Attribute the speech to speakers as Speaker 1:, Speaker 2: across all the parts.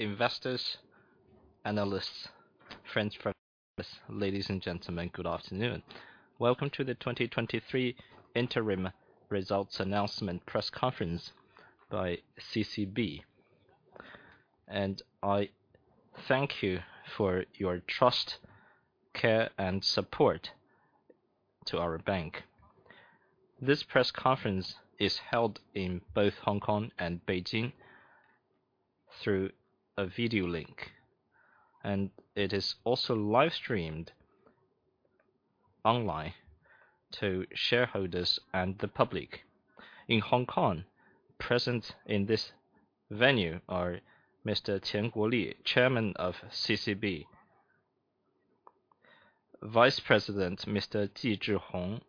Speaker 1: Investors, analysts, friends from press, ladies and gentlemen, good afternoon. Welcome to the 2023 interim results announcement press conference by CCB. I thank you for your trust, care, and support to our bank. This press conference is held in both Hong Kong and Beijing through a video link, and it is also live streamed online to shareholders and the public. In Hong Kong, present in this venue are Mr. Tian Guoli, Chairman of CCB; Vice President, Mr. Ji Zhihong;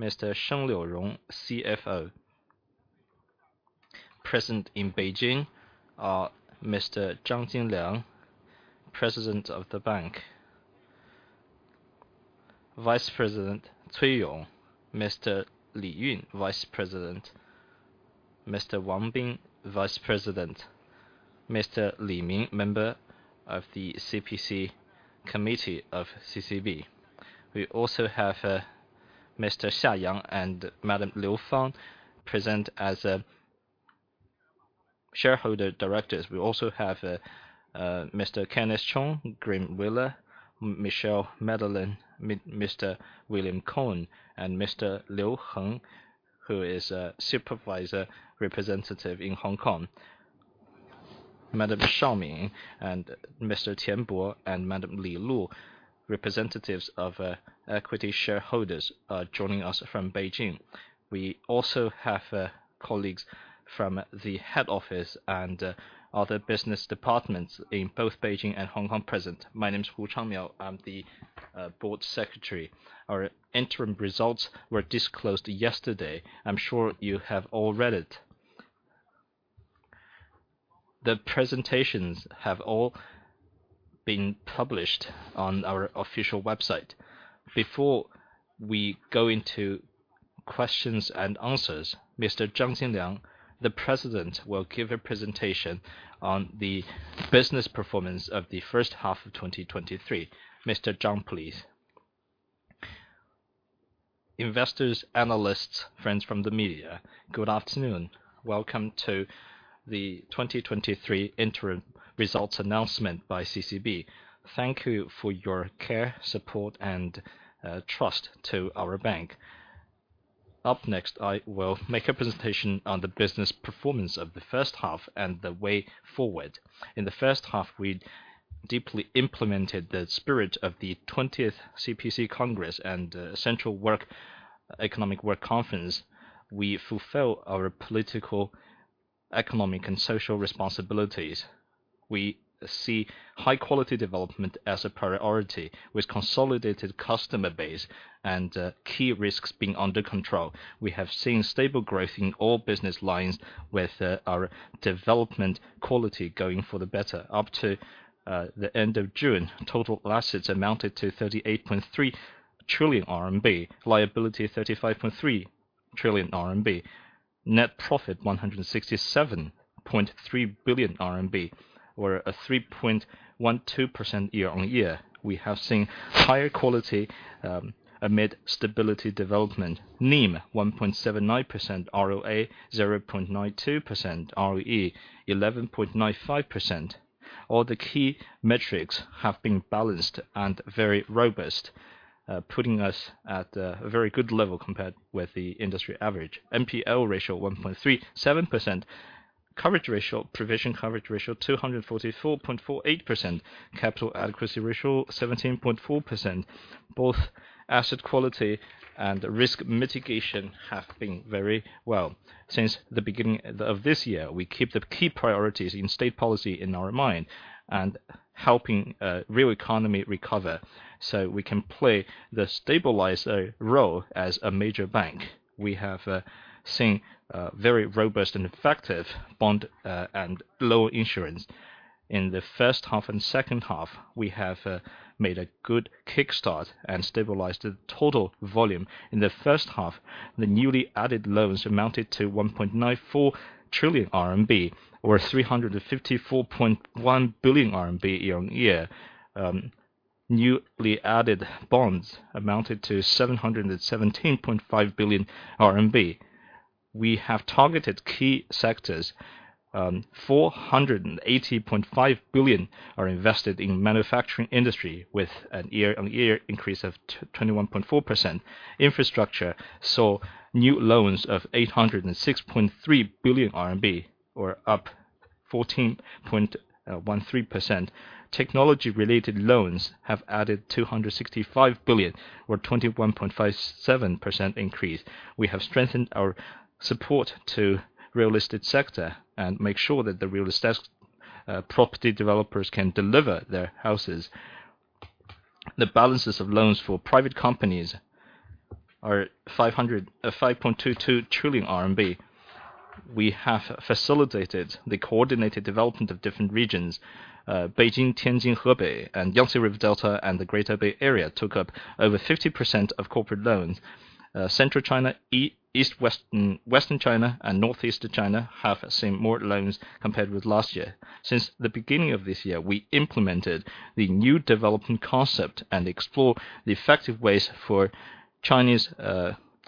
Speaker 1: Mr. Sheng Liurong, CFO. Present in Beijing are Mr. Zhang Jinliang, President of the bank; Vice President Cui Yong; Mr. Li Yun, Vice President; Mr. Wang Bing, Vice President; Mr. Li Yun, member of the CPC Committee of CCB. We also have Mr. Xia Yang and Madam Liu Fang, present as shareholder directors. We also have Mr. Kenneth Chung, Graeme Wheeler, Michel Madelain, Mr. William Coen, and Mr. Liu Heng, who is a supervisor representative in Hong Kong. Madam Zhao Ming and Mr. Tian Bo and Madam Li Lu, representatives of equity shareholders, joining us from Beijing. We also have colleagues from the head office and other business departments in both Beijing and Hong Kong present. My name is Hu Changmiao. I'm the Board Secretary. Our interim results were disclosed yesterday. I'm sure you have all read it. The presentations have all been published on our official website. Before we go into questions and answers, Mr. Zhang Jinliang, the President, will give a presentation on the business performance of the first half of 2023. Mr. Zhang, please.
Speaker 2: Investors, analysts, friends from the media, good afternoon. Welcome to the 2023 interim results announcement by CCB. Thank you for your care, support, and trust to our bank. Up next, I will make a presentation on the business performance of the first half and the way forward. In the first half, we deeply implemented the spirit of the 20th CPC Congress and Central Economic Work Conference. We fulfill our political, economic, and social responsibilities. We see high quality development as a priority, with consolidated customer base and key risks being under control. We have seen stable growth in all business lines with our development quality going for the better. Up to the end of June, total assets amounted to 38.3 trillion RMB, liabilities 35.3 trillion RMB, net profit 167.3 billion RMB, or a 3.12% year-on-year. We have seen higher quality amid stability development. NIM 1.79%, ROA 0.92%, ROE 11.95%. All the key metrics have been balanced and very robust, putting us at a very good level compared with the industry average. NPL ratio 1.37%. Coverage ratio, provision coverage ratio, 244.48%. Capital adequacy ratio 17.4%. Both asset quality and risk mitigation have been very well. Since the beginning of this year, we keep the key priorities in state policy in our mind and helping real economy recover, so we can play the stabilizer role as a major bank. We have seen very robust and effective bond and loan issuance. In the first half and second half, we have made a good kickstart and stabilized the total volume. In the first half, the newly added loans amounted to 1.94 trillion RMB, or 354.1 billion RMB year-on-year. Newly added bonds amounted to 717.5 billion RMB. We have targeted key sectors. 480.5 billion are invested in manufacturing industry, with a year-on-year increase of 21.4%. Infrastructure saw new loans of 806.3 billion RMB, or up 14.13%. Technology-related loans have added 265 billion, or 21.57% increase. We have strengthened our support to real estate sector and make sure that the real estate property developers can deliver their houses. The balances of loans for private companies are 5.22 trillion RMB. We have facilitated the coordinated development of different regions. Beijing, Tianjin, Hebei, and Yangtze River Delta, and the Greater Bay Area took up over 50% of corporate loans. Central China, Eastern China, Western China, and Northeastern China have seen more loans compared with last year. Since the beginning of this year, we implemented the new developing concept and explore the effective ways for Chinese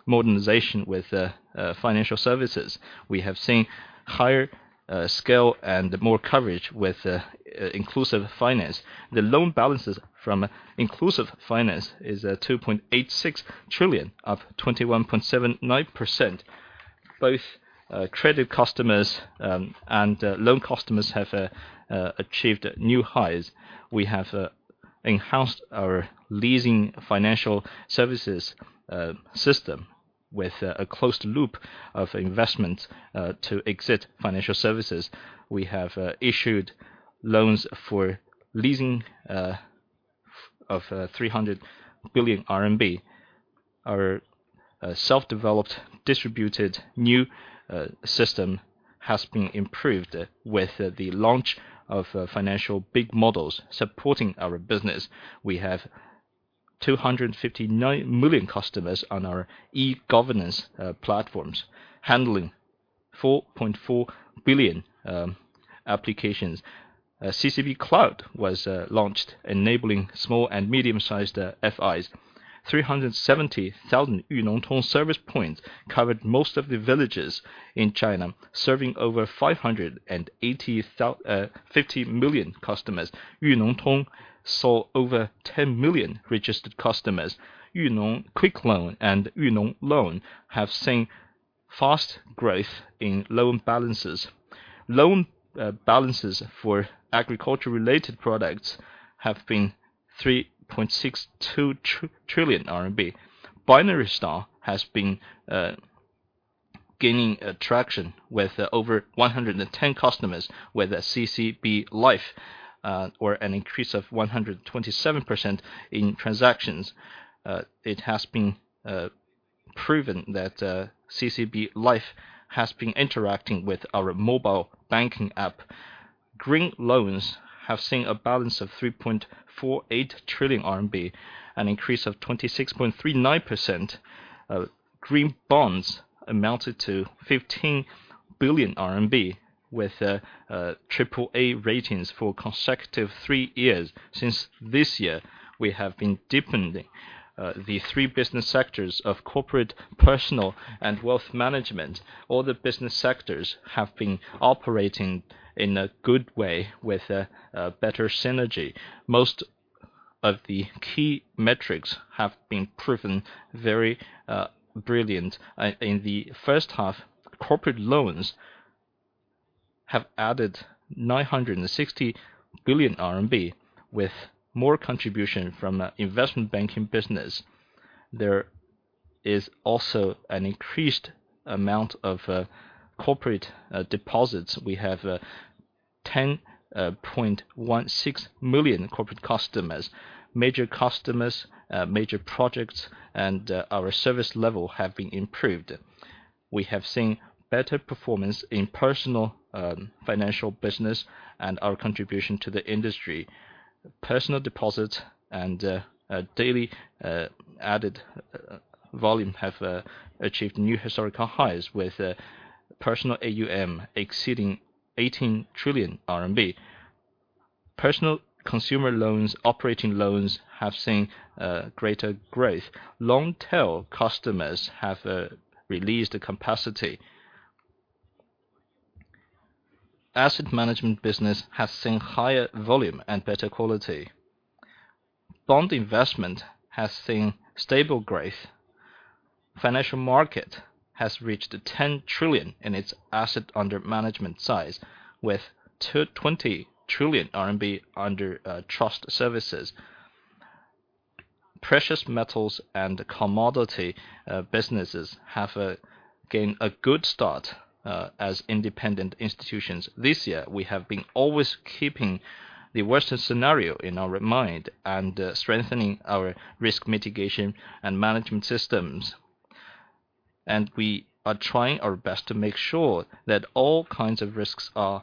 Speaker 2: modernization with financial services. We have seen higher scale and more coverage with inclusive finance. The loan balances from inclusive finance is 2.86 trillion, up 21.79%. Both credit customers and loan customers have achieved new highs. We have enhanced our leasing financial services system with a closed loop of investment to exit financial services. We have issued loans for leasing of CNY 300 billion. Our self-developed, distributed new system has been improved with the launch of financial big models supporting our business. We have 259 million customers on our e-governance platforms, handling 4.4 billion applications. CCB Cloud was launched, enabling small and medium-sized FIs. 370,000 Yunongtong service points covered most of the villages in China, serving over 50 million customers. Yunongtong saw over 10 million registered customers. Yunong Quick Loan and Yunong Loan have seen fast growth in loan balances. Loan balances for agriculture-related products have been 3.62 trillion RMB. Binary Star has been gaining traction with over 110 customers with CCB Life or an increase of 127% in transactions. It has been proven that CCB Life has been interacting with our mobile banking app. Green loans have seen a balance of 3.48 trillion RMB, an increase of 26.39%. Green bonds amounted to 15 billion RMB, with AAA ratings for consecutive three years. Since this year, we have been deepening the three business sectors of corporate, personal, and wealth management. All the business sectors have been operating in a good way with better synergy. Most of the key metrics have been proven very brilliant. In the first half, corporate loans have added 960 billion RMB, with more contribution from investment banking business. There is also an increased amount of corporate deposits. We have 10.16 million corporate customers, major customers, major projects, and our service level have been improved. We have seen better performance in personal financial business and our contribution to the industry. Personal deposits and daily added volume have achieved new historical highs, with personal AUM exceeding 18 trillion RMB. Personal consumer loans, operating loans, have seen greater growth. Long-tail customers have released the capacity. Asset management business has seen higher volume and better quality. Bond investment has seen stable growth. Financial market has reached 10 trillion in its asset under management size, with 20 trillion RMB under trust services. Precious metals and commodity businesses have gained a good start as independent institutions. This year, we have been always keeping the worst scenario in our mind and strengthening our risk mitigation and management systems. And we are trying our best to make sure that all kinds of risks are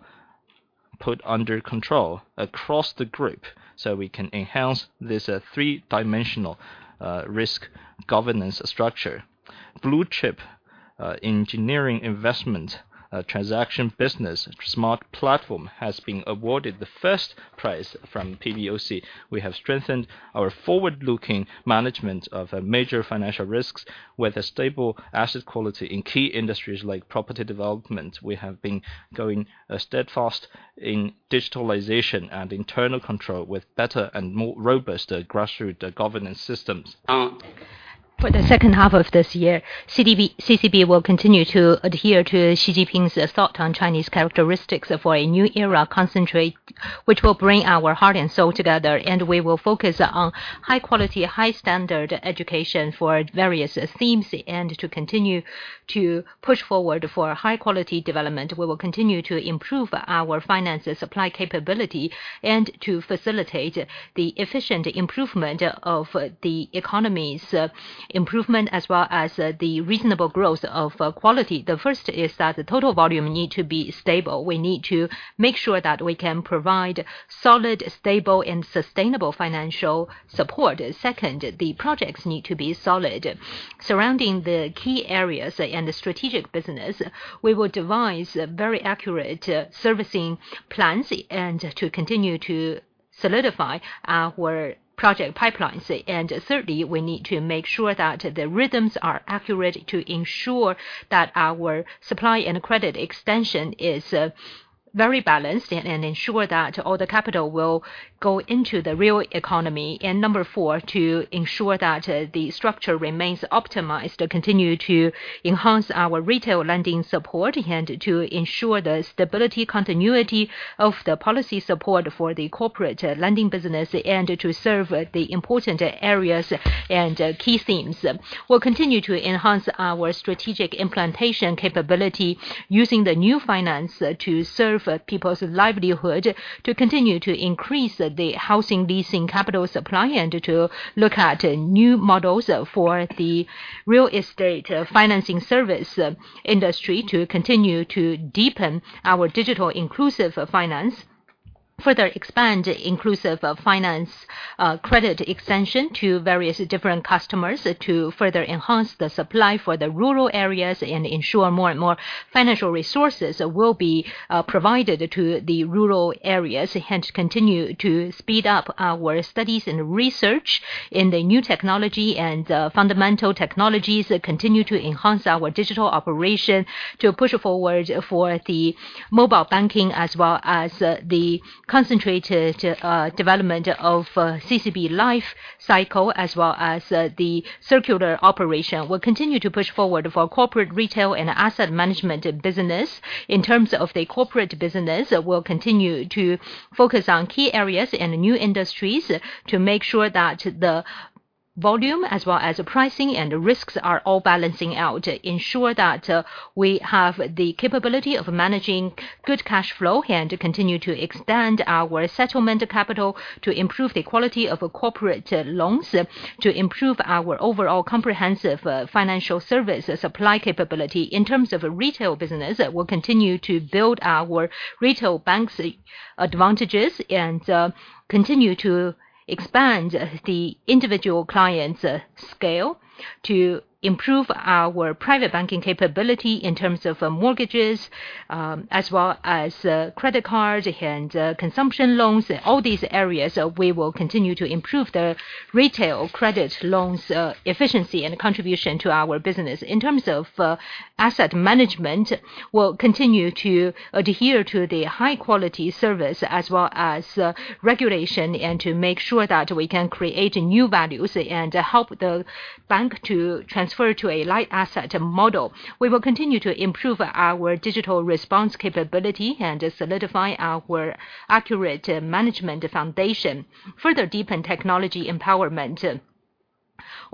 Speaker 2: put under control across the group, so we can enhance this three-dimensional risk governance structure. Blue Chip Engineering Investment Transaction Business Smart Platform has been awarded the first prize from PBOC. We have strengthened our forward-looking management of major financial risks with a stable asset quality in key industries like property development. We have been going steadfast in digitalization and internal control with better and more robust grassroots governance systems. For the second half of this year, CCB will continue to adhere to Xi Jinping's thought on Chinese characteristics for a new era, which will bring our heart and soul together, and we will focus on high quality, high standard education for various themes, and to continue to push forward for high quality development. We will continue to improve our financial supply capability and to facilitate the efficient improvement of the economy's improvement, as well as the reasonable growth of quality. The first is that the total volume need to be stable. We need to make sure that we can provide solid, stable, and sustainable financial support. Second, the projects need to be solid. Surrounding the key areas and the strategic business, we will devise very accurate servicing plans and to continue to solidify our project pipelines. And thirdly, we need to make sure that the rhythms are accurate to ensure that our supply and credit extension is very balanced, and, and ensure that all the capital will go into the real economy. And number four, to ensure that the structure remains optimized to continue to enhance our retail lending support, and to ensure the stability, continuity of the policy support for the corporate lending business, and to serve the important areas and key themes. We'll continue to enhance our strategic implementation capability, using the new finance to serve people's livelihood, to continue to increase the housing leasing capital supply, and to look at new models for the real estate financing service industry, to continue to deepen our digital inclusive finance. Further expand inclusive finance, credit extension to various different customers to further enhance the supply for the rural areas and ensure more and more financial resources will be provided to the rural areas, and continue to speed up our studies and research in the new technology and fundamental technologies. Continue to enhance our digital operation, to push forward for the mobile banking, as well as the concentrated development of CCB Life cycle, as well as the circular operation. We'll continue to push forward for corporate, retail, and asset management business. In terms of the corporate business, we'll continue to focus on key areas and new industries to make sure that the volume, as well as pricing and risks, are all balancing out. Ensure that we have the capability of managing good cash flow, and continue to expand our settlement capital to improve the quality of corporate loans, to improve our overall comprehensive financial service supply capability. In terms of retail business, we'll continue to build our retail banks' advantages, and continue to expand the individual clients' scale to improve our private banking capability in terms of mortgages, as well as credit cards and consumption loans. All these areas, we will continue to improve the retail credit loans efficiency and contribution to our business. In terms of asset management, we'll continue to adhere to the high-quality service as well as regulation, and to make sure that we can create new values and help the bank to transfer to a light asset model. We will continue to improve our digital response capability and solidify our accurate management foundation, further deepen technology empowerment.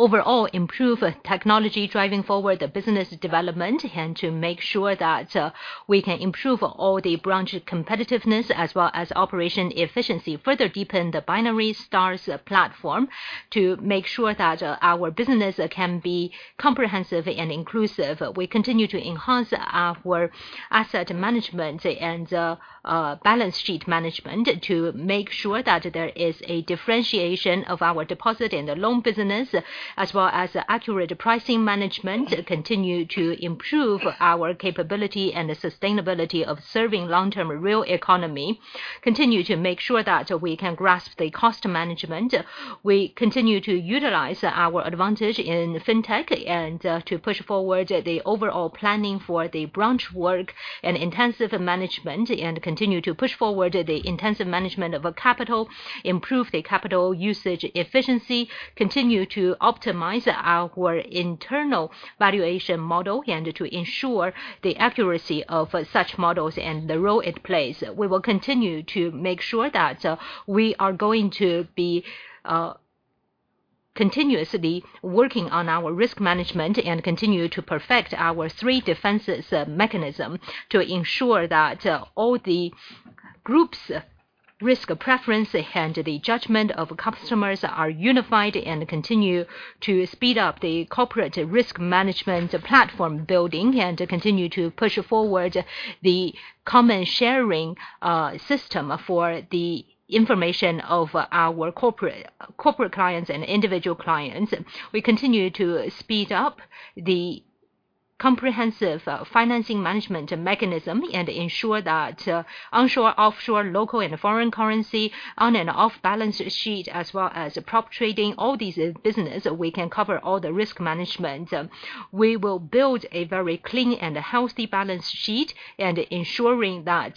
Speaker 2: Overall, improve technology, driving forward the business development, and to make sure that we can improve all the branch competitiveness as well as operation efficiency. Further deepen the Binary Stars platform to make sure that our business can be comprehensive and inclusive. We continue to enhance our asset management and balance sheet management to make sure that there is a differentiation of our deposit and the loan business, as well as accurate pricing management. Continue to improve our capability and the sustainability of serving long-term real economy. Continue to make sure that we can grasp the cost management. We continue to utilize our advantage in fintech and to push forward the overall planning for the branch work and intensive management, and continue to push forward the intensive management of our capital, improve the capital usage efficiency, continue to optimize our internal valuation model, and to ensure the accuracy of such models and the role it plays. We will continue to make sure that we are going to be continuously working on our risk management and continue to perfect our three defenses mechanism to ensure that all the group's risk preference and the judgment of customers are unified, and continue to speed up the corporate risk management platform building, and continue to push forward the common sharing system for the information of our corporate, corporate clients and individual clients. We continue to speed up the comprehensive financing management mechanism and ensure that, onshore, offshore, local and foreign currency, on and off balance sheet, as well as prop trading, all these business, we can cover all the risk management. We will build a very clean and healthy balance sheet and ensuring that,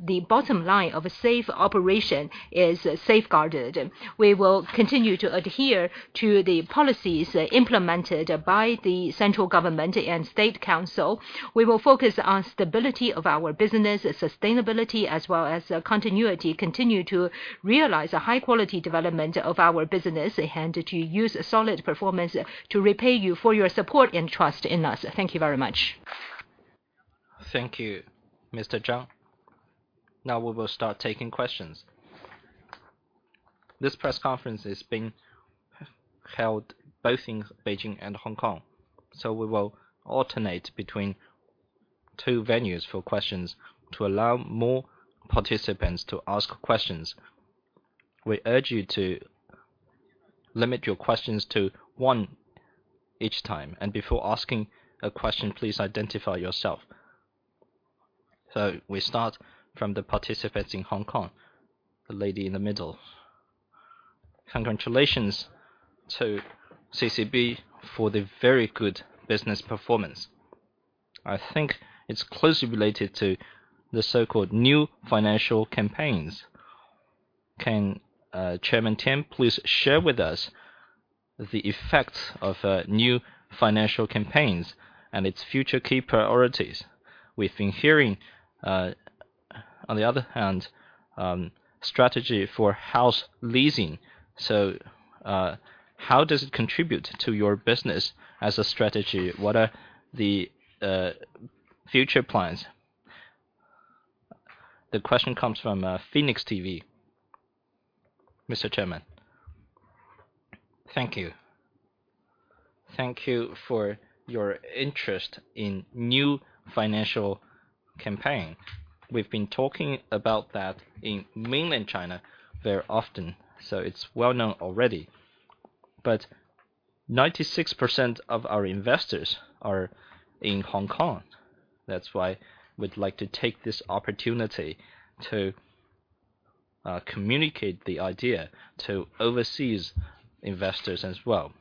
Speaker 2: the bottom line of safe operation is safeguarded. We will continue to adhere to the policies implemented by the Central Government and State Council. We will focus on stability of our business, sustainability, as well as continuity, continue to realize a high quality development of our business, and to use solid performance to repay you for your support and trust in us. Thank you very much.
Speaker 1: Thank you, Mr. Zhang. Now we will start taking questions. This press conference is being held both in Beijing and Hong Kong, so we will alternate between two venues for questions to allow more participants to ask questions. We urge you to limit your questions to one each time, and before asking a question, please identify yourself. So we start from the participants in Hong Kong, the lady in the middle.
Speaker 3: Congratulations to CCB for the very good business performance. I think it's closely related to the so-called new financial campaigns. Can Chairman Tian please share with us the effects of new financial campaigns and its future key priorities? We've been hearing on the other hand strategy for house leasing. So how does it contribute to your business as a strategy? What are the future plans?
Speaker 1: The question comes from Phoenix TV. Mr. Chairman.
Speaker 4: Thank you. Thank you for your interest in new financial campaign. We've been talking about that in mainland China very often, so it's well known already. But 96% of our investors are in Hong Kong. That's why we'd like to take this opportunity to communicate the idea to overseas investors as well.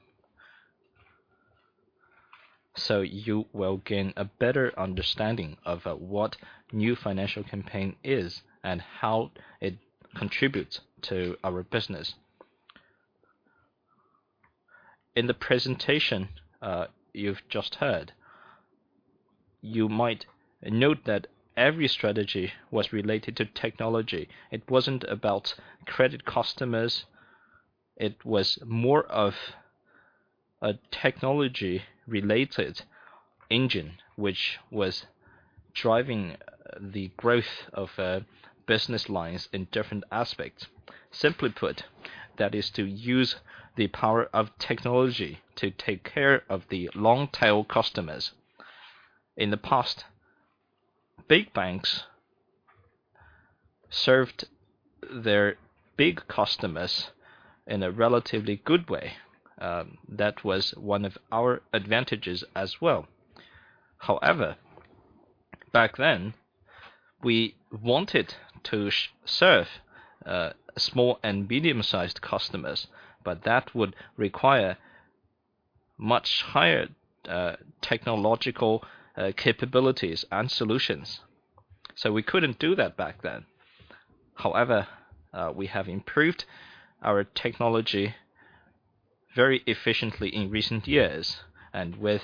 Speaker 4: So you will gain a better understanding of what new financial campaign is and how it contributes to our business. In the presentation you've just heard, you might note that every strategy was related to technology. It wasn't about credit customers. It was more of a technology-related engine, which was driving the growth of business lines in different aspects. Simply put, that is to use the power of technology to take care of the long-tail customers. In the past, big banks served their big customers in a relatively good way. That was one of our advantages as well. However, back then, we wanted to serve small and medium-sized customers, but that would require much higher technological capabilities and solutions. So we couldn't do that back then. However, we have improved our technology very efficiently in recent years, and with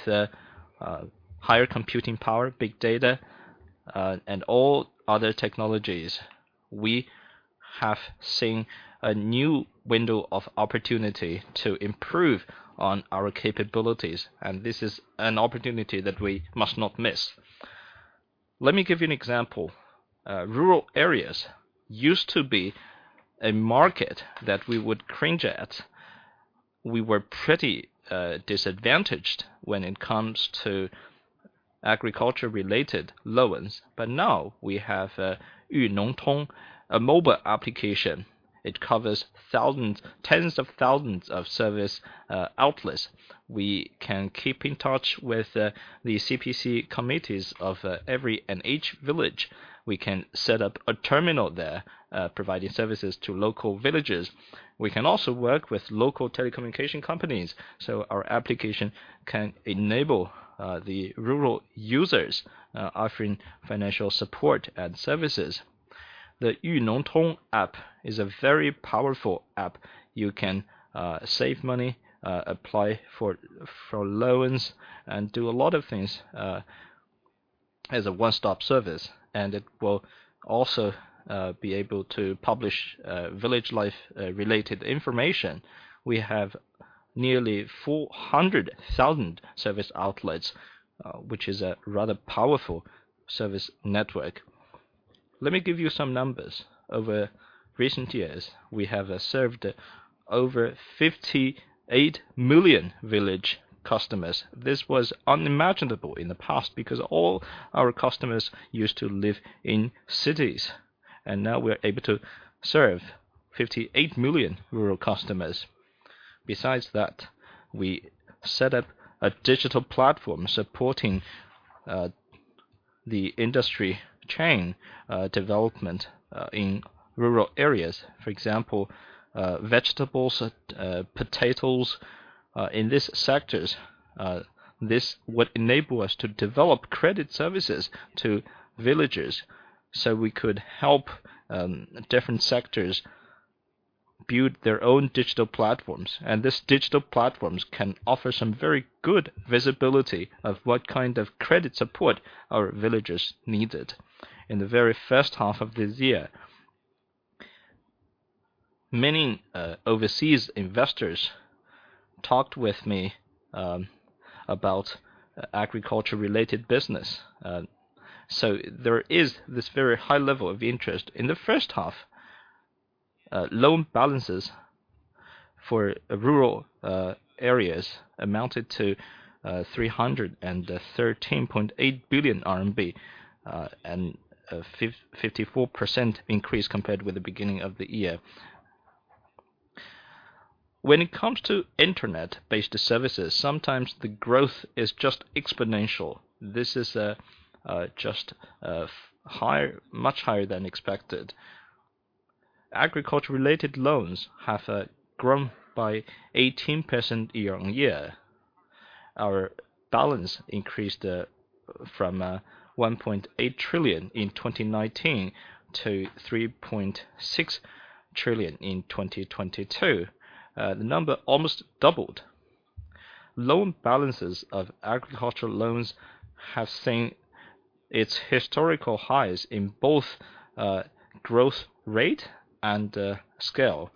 Speaker 4: higher computing power, big data, and all other technologies, we have seen a new window of opportunity to improve on our capabilities, and this is an opportunity that we must not miss. Let me give you an example. Rural areas used to be a market that we would cringe at. We were pretty disadvantaged when it comes to agriculture-related loans. But now we have Yunongtong, a mobile application. It covers thousands, tens of thousands of service outlets. We can keep in touch with the CPC committees of every and each village. We can set up a terminal there, providing services to local villages. We can also work with local telecommunication companies, so our application can enable the rural users, offering financial support and services. The Yunongtong App is a very powerful app. You can save money, apply for loans, and do a lot of things as a one-stop service, and it will also be able to publish village life related information. We have nearly 400,000 service outlets, which is a rather powerful service network. Let me give you some numbers. Over recent years, we have served over 58 million village customers. This was unimaginable in the past, because all our customers used to live in cities, and now we're able to serve 58 million rural customers. Besides that, we set up a digital platform supporting the industry chain development in rural areas. For example, vegetables, potatoes, in these sectors, this would enable us to develop credit services to villages, so we could help different sectors build their own digital platforms. And these digital platforms can offer some very good visibility of what kind of credit support our villagers needed. In the very first half of this year, many overseas investors talked with me about agriculture-related business. So there is this very high level of interest.
Speaker 1: In the first half, loan balances for rural areas amounted to 313.8 billion RMB and a 54% increase compared with the beginning of the year. When it comes to internet-based services, sometimes the growth is just exponential. This is just higher, much higher than expected. Agriculture-related loans have grown by 18% year-on-year. Our balance increased from 1.8 trillion in 2019 to 3.6 trillion in 2022. The number almost doubled. Loan balances of agricultural loans have seen its historical highs in both growth rate and scale,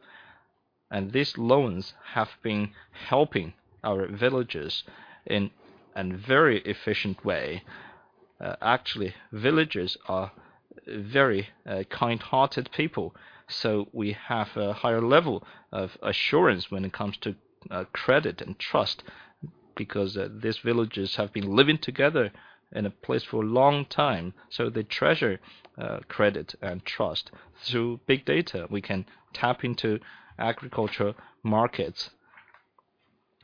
Speaker 1: and these loans have been helping our villagers in a very efficient way.
Speaker 4: Actually, villagers are very kind-hearted people, so we have a higher level of assurance when it comes to credit and trust, because these villagers have been living together in a place for a long time, so they treasure credit and trust. Through big data, we can tap into agriculture markets,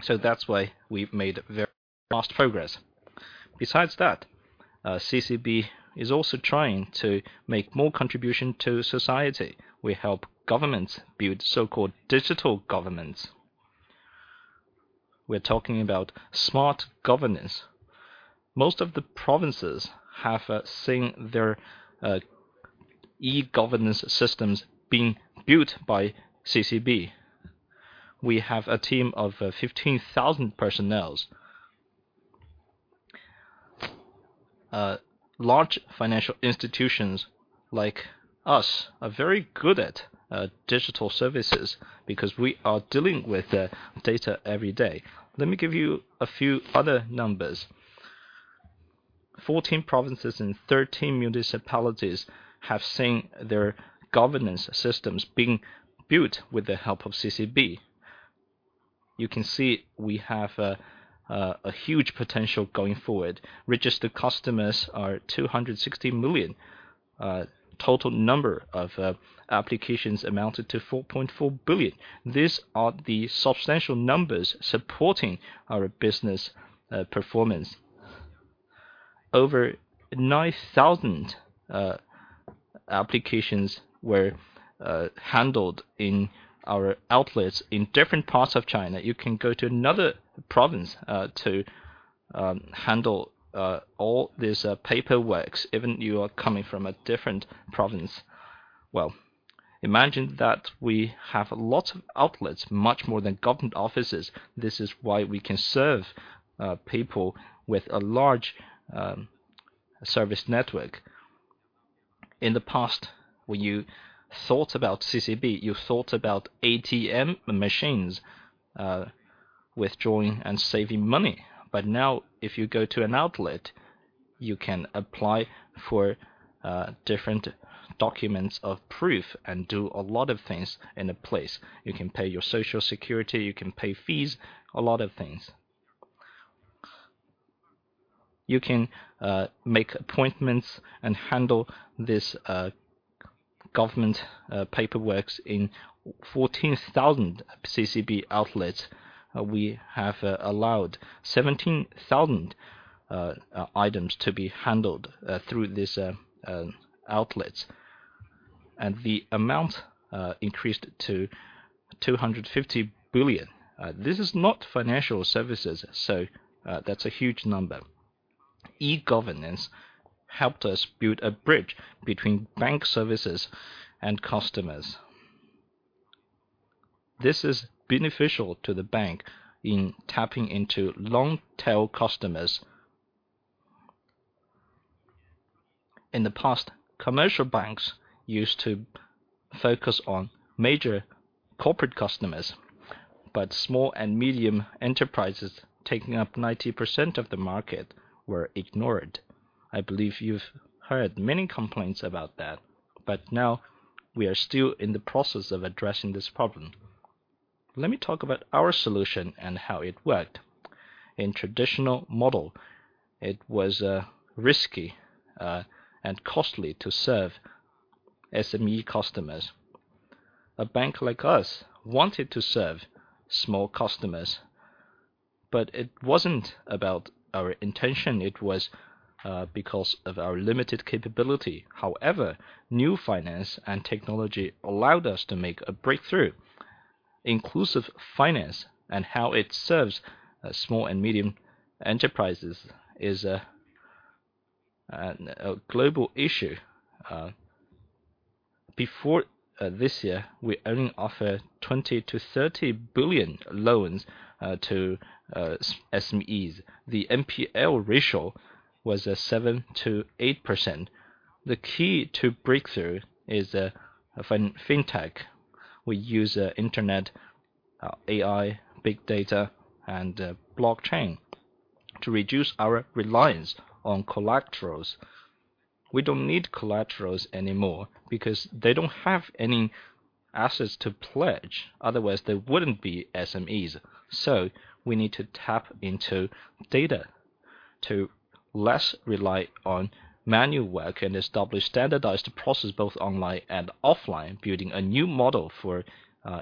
Speaker 4: so that's why we've made very fast progress. Besides that, CCB is also trying to make more contribution to society. We help governments build so-called digital governments. We're talking about smart governance. Most of the provinces have seen their e-governance systems being built by CCB. We have a team of 15,000 personnel. Large financial institutions like us are very good at digital services because we are dealing with the data every day. Let me give you a few other numbers. Fourteen provinces and thirteen municipalities have seen their governance systems being built with the help of CCB. You can see we have a huge potential going forward. Registered customers are 260 million. Total number of applications amounted to 4.4 billion. These are the substantial numbers supporting our business performance. Over 9,000 applications were handled in our outlets in different parts of China. You can go to another province to handle all these paperwork, even you are coming from a different province. Well, imagine that we have a lot of outlets, much more than government offices. This is why we can serve people with a large service network. In the past, when you thought about CCB, you thought about ATM machines, withdrawing and saving money. But now, if you go to an outlet, you can apply for different documents of proof and do a lot of things in a place. You can pay your Social Security, you can pay fees, a lot of things. You can make appointments and handle this government paperwork in 14,000 CCB outlets. We have allowed 17,000 items to be handled through these outlets, and the amount increased to 250 billion. This is not financial services, so that's a huge number. E-governance helped us build a bridge between bank services and customers. This is beneficial to the bank in tapping into long-tail customers. In the past, commercial banks used to focus on major corporate customers, but small and medium enterprises, taking up 90% of the market, were ignored. I believe you've heard many complaints about that, but now we are still in the process of addressing this problem. Let me talk about our solution and how it worked. In traditional model, it was risky and costly to serve SME customers. A bank like us wanted to serve small customers, but it wasn't about our intention, it was because of our limited capability. However, new finance and technology allowed us to make a breakthrough. Inclusive finance and how it serves small and medium enterprises is a global issue. Before this year, we only offer 20 billion-30 billion loans to SMEs. The NPL ratio was 7%-8%. The key to breakthrough is fintech. We use AI, big data, and blockchain to reduce our reliance on collaterals. We don't need collaterals anymore because they don't have any assets to pledge, otherwise they wouldn't be SMEs. So we need to tap into data to less rely on manual work and establish standardized process, both online and offline, building a new model for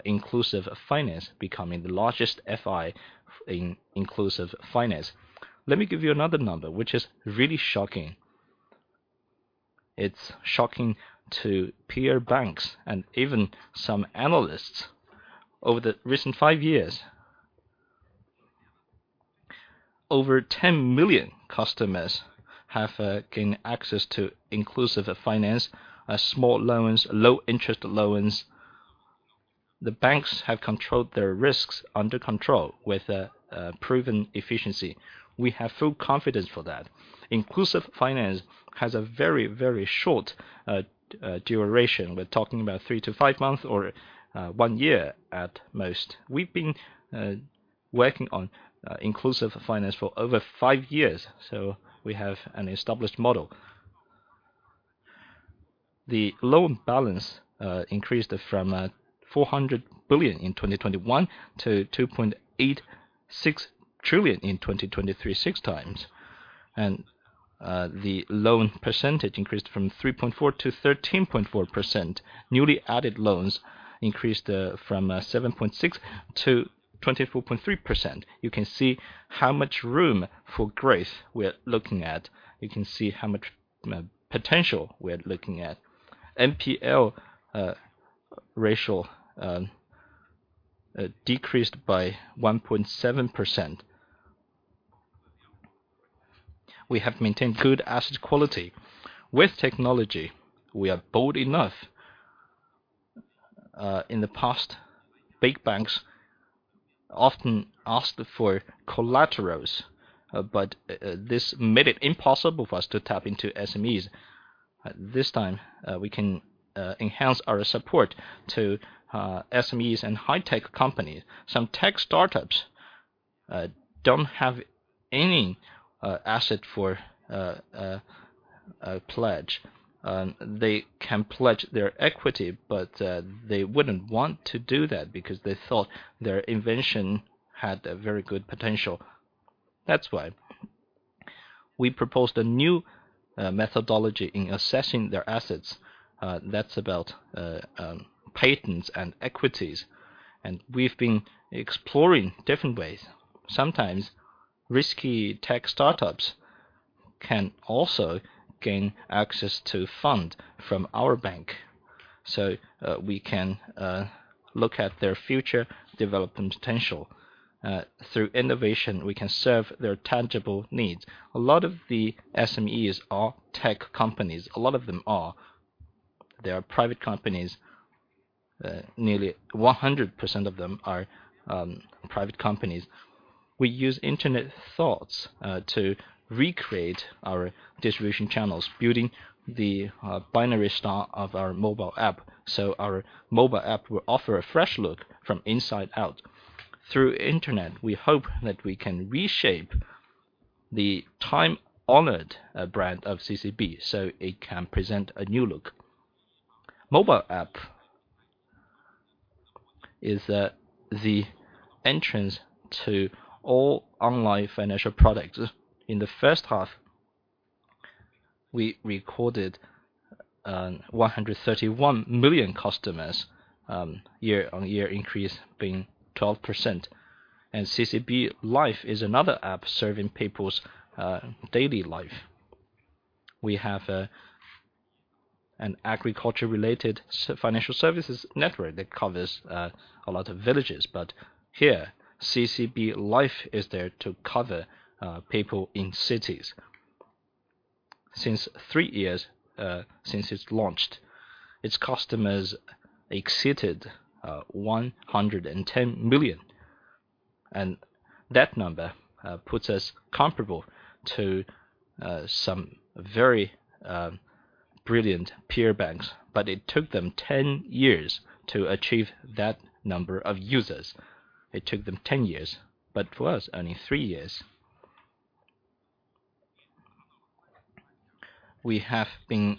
Speaker 4: inclusive finance, becoming the largest FI in inclusive finance. Let me give you another number, which is really shocking. It's shocking to peer banks and even some analysts. Over the recent 5 years, over 10 million customers have gained access to inclusive finance, small loans, low-interest loans. The banks have controlled their risks under control with proven efficiency. We have full confidence for that. Inclusive finance has a very, very short duration. We're talking about three to five months or one year at most. We've been working on inclusive finance for over five years, so we have an established model. The loan balance increased from 400 billion in 2021 to 2.86 trillion in 2023, 6x. The loan percentage increased from 3.4%-13.4%. Newly added loans increased from 7.6%-24.3%. You can see how much room for growth we're looking at. You can see how much potential we're looking at. NPL ratio decreased by 1.7%. We have maintained good asset quality. With technology, we are bold enough. In the past, big banks often asked for collaterals, but this made it impossible for us to tap into SMEs. This time, we can enhance our support to SMEs and high-tech companies. Some tech startups don't have any asset for a pledge. They can pledge their equity, but they wouldn't want to do that because they thought their invention had a very good potential. That's why we proposed a new methodology in assessing their assets. That's about patents and equities, and we've been exploring different ways. Sometimes risky tech startups can also gain access to fund from our bank, so we can look at their future development potential. Through innovation, we can serve their tangible needs. A lot of the SMEs are tech companies. A lot of them are. They are private companies. Nearly 100% of them are private companies. We use internet thoughts to recreate our distribution channels, building the binary star of our mobile app. So our mobile app will offer a fresh look from inside out. Through internet, we hope that we can reshape the time-honored brand of CCB, so it can present a new look. Mobile app is the entrance to all online financial products. In the first half, we recorded 131 million customers, year-on-year increase being 12%. And CCB Life is another app serving people's daily life. We have an agriculture-related financial services network that covers a lot of villages. But here, CCB Life is there to cover people in cities. Since 3 years, since it's launched, its customers exceeded 110 million, and that number puts us comparable to some very brilliant peer banks, but it took them 10 years to achieve that number of users. It took them 10 years, but for us, only 3 years. We have been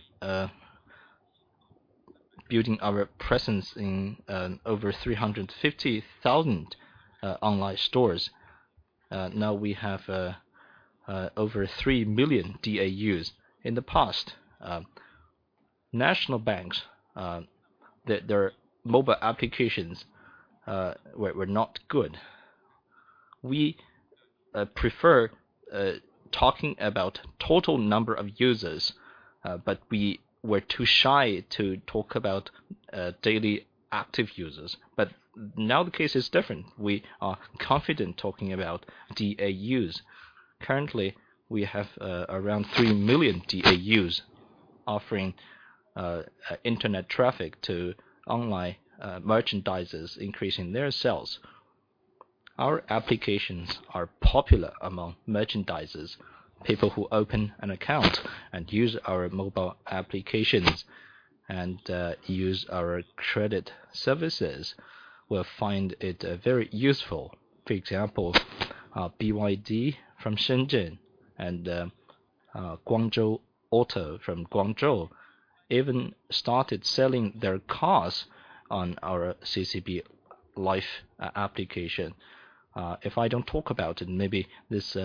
Speaker 4: building our presence in over 350,000 online stores. Now we have over 3 million DAUs. In the past, national banks, their mobile applications were not good. We prefer talking about total number of users, but we were too shy to talk about daily active users. But now the case is different. We are confident talking about DAUs. Currently, we have around 3 million DAUs offering internet traffic to online merchandisers, increasing their sales. Our applications are popular among merchandisers. People who open an account and use our mobile applications, and use our credit services will find it very useful. For example, BYD from Shenzhen and Guangzhou Auto from Guangzhou even started selling their cars on our CCB Life application. If I don't talk about it, maybe these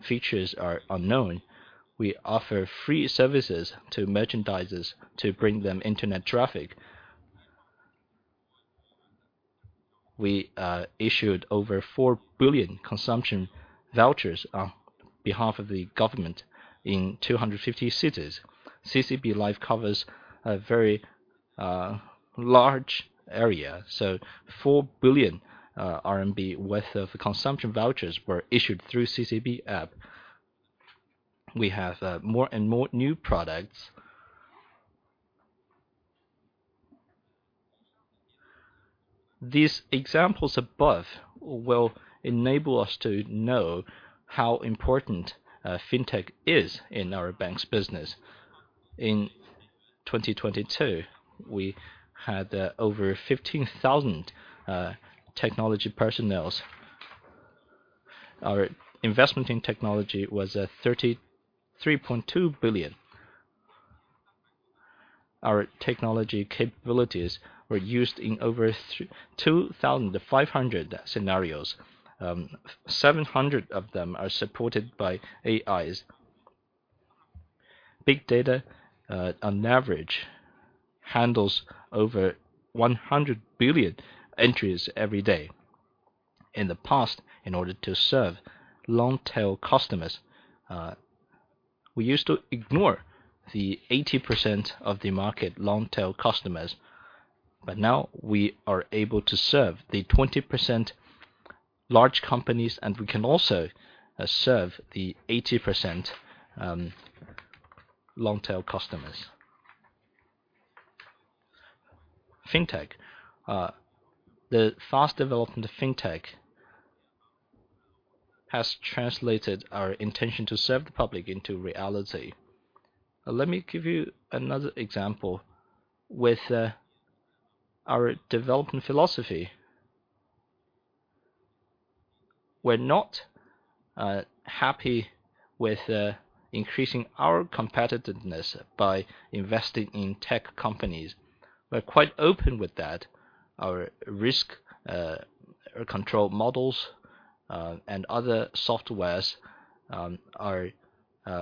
Speaker 4: features are unknown. We offer free services to merchandisers to bring them internet traffic. We issued over 4 billion consumption vouchers on behalf of the government in 250 cities. CCB Life covers a very large area, so 4 billion RMB worth of consumption vouchers were issued through CCB app. We have more and more new products. These examples above will enable us to know how important Fintech is in our bank's business. In 2022, we had over 15,000 technology personnel. Our investment in technology was 33.2 billion. Our technology capabilities were used in over 2,500 scenarios. 700 of them are supported by AIs. Big data, on average, handles over 100 billion entries every day. In the past, in order to serve long-tail customers, we used to ignore the 80% of the market long-tail customers, but now we are able to serve the 20% large companies, and we can also serve the 80% long-tail customers. Fintech, the fast development of Fintech has translated our intention to serve the public into reality. Let me give you another example. With our development philosophy, we're not happy with increasing our competitiveness by investing in tech companies. We're quite open with that. Our risk control models and other softwares are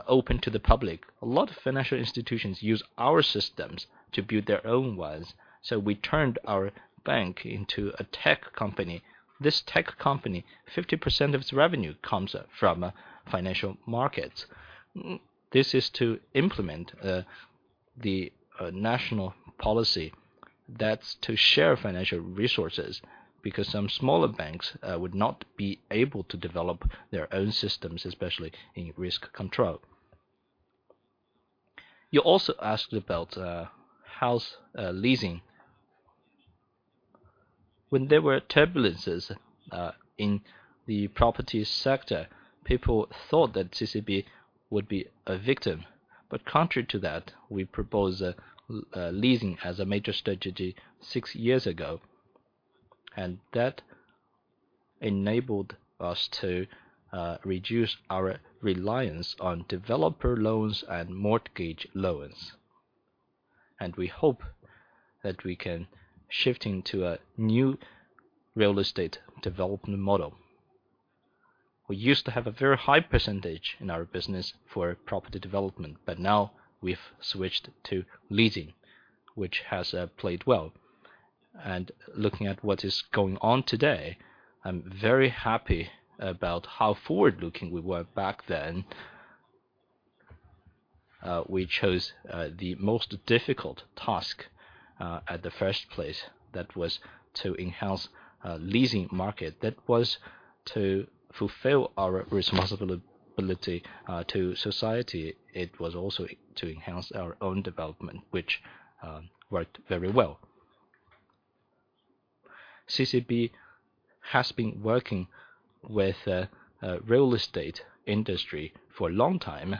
Speaker 4: open to the public. A lot of financial institutions use our systems to build their own ones, so we turned our bank into a tech company. This tech company, 50% of its revenue comes from financial markets. This is to implement the national policy. That's to share financial resources, because some smaller banks would not be able to develop their own systems, especially in risk control. You also asked about house leasing. When there were turbulences in the property sector, people thought that CCB would be a victim, but contrary to that, we proposed leasing as a major strategy six years ago, and that enabled us to reduce our reliance on developer loans and mortgage loans. We hope that we can shift into a new real estate development model. We used to have a very high percentage in our business for property development, but now we've switched to leasing, which has played well. Looking at what is going on today, I'm very happy about how forward-looking we were back then. We chose the most difficult task at the first place, that was to enhance leasing market. That was to fulfill our responsibility to society. It was also to enhance our own development, which worked very well. CCB has been working with the real estate industry for a long time.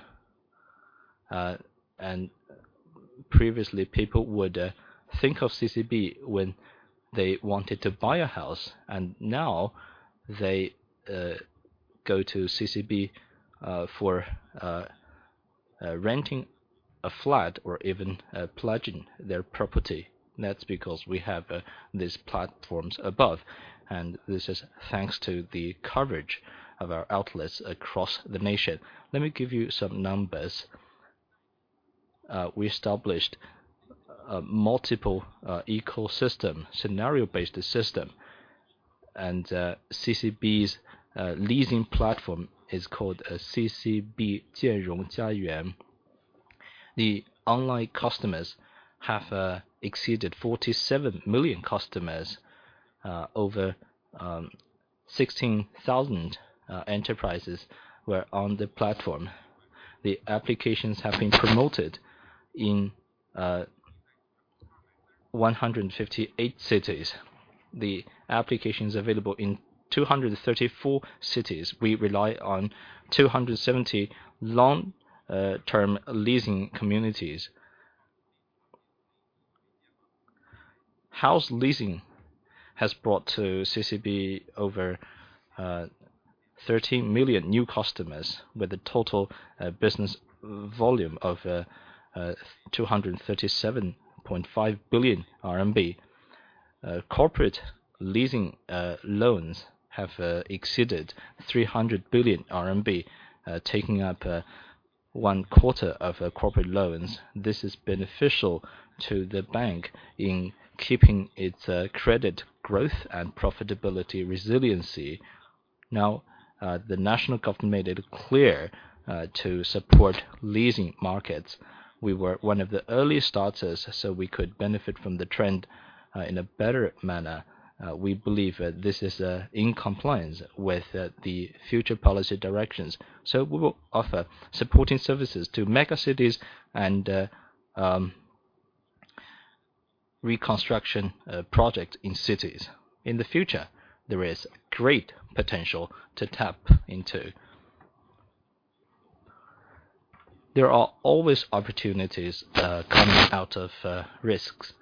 Speaker 4: Previously, people would think of CCB when they wanted to buy a house, and now they go to CCB for renting a flat or even pledging their property. That's because we have these platforms above, and this is thanks to the coverage of our outlets across the nation. Let me give you some numbers. We established multiple ecosystem scenario-based system, and CCB's leasing platform is called CCB Jianrong Jiayuan. The online customers have exceeded 47 million customers. Over 16,000 enterprises were on the platform. The applications have been promoted in 158 cities. The application is available in 234 cities. We rely on 270 long-term leasing communities. Housing leasing has brought to CCB over 13 million new customers with a total business volume of 237.5 billion RMB. Corporate leasing loans have exceeded 300 billion RMB, taking up one quarter of corporate loans. This is beneficial to the bank in keeping its credit growth and profitability resiliency. Now, the national government made it clear to support leasing markets. We were one of the early starters, so we could benefit from the trend in a better manner. We believe that this is in compliance with the future policy directions. So we will offer supporting services to mega cities and reconstruction project in cities. In the future, there is great potential to tap into. There are always opportunities coming out of risks.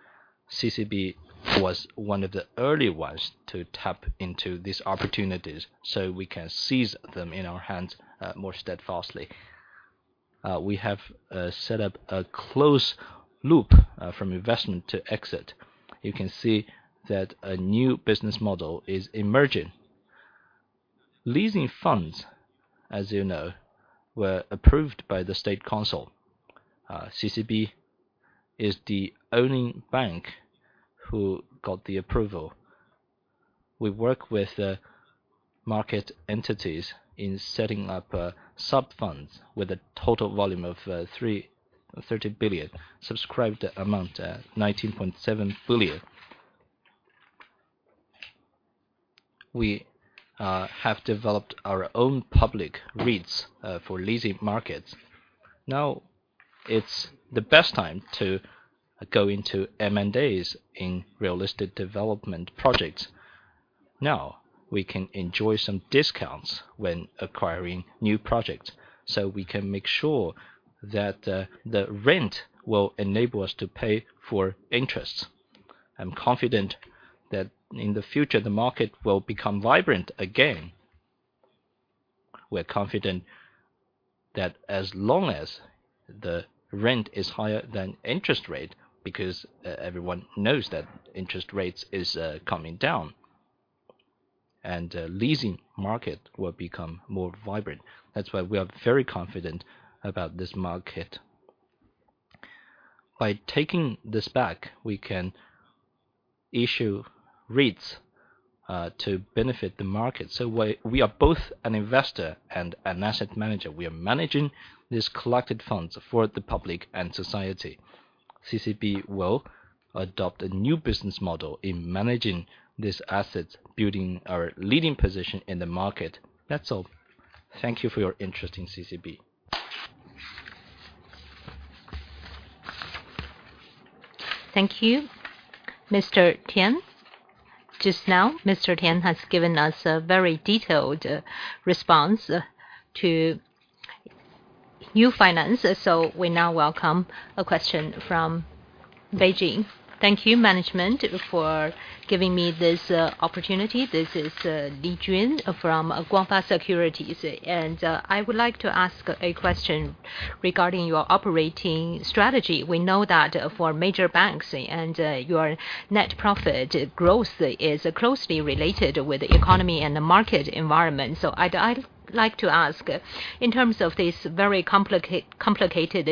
Speaker 4: CCB was one of the early ones to tap into these opportunities, so we can seize them in our hands more steadfastly. We have set up a close loop from investment to exit. You can see that a new business model is emerging. Leasing funds, as you know, were approved by the State Council. CCB is the owning bank who got the approval. We work with the market entities in setting up sub-funds with a total volume of 30 billion, subscribed amount 19.7 billion. We have developed our own public REITs for leasing markets. Now, it's the best time to go into M&As in real estate development projects. Now, we can enjoy some discounts when acquiring new projects, so we can make sure that the rent will enable us to pay for interest. I'm confident that in the future, the market will become vibrant again. We're confident that as long as the rent is higher than interest rate, because everyone knows that interest rates is coming down, and leasing market will become more vibrant. That's why we are very confident about this market. By taking this back, we can issue REITs to benefit the market. So we are both an investor and an asset manager. We are managing these collected funds for the public and society. CCB will adopt a new business model in managing these assets, building our leading position in the market. That's all. Thank you for your interest in CCB.
Speaker 1: Thank you, Mr. Tian. Just now, Mr. Tian has given us a very detailed response to new finance. So we now welcome a question from Beijing.
Speaker 5: Thank you, management, for giving me this opportunity. This is Li Jian from Guotai Securities, and I would like to ask a question regarding your operating strategy. We know that for major banks and your net profit growth is closely related with the economy and the market environment. So I'd like to ask, in terms of this very complicated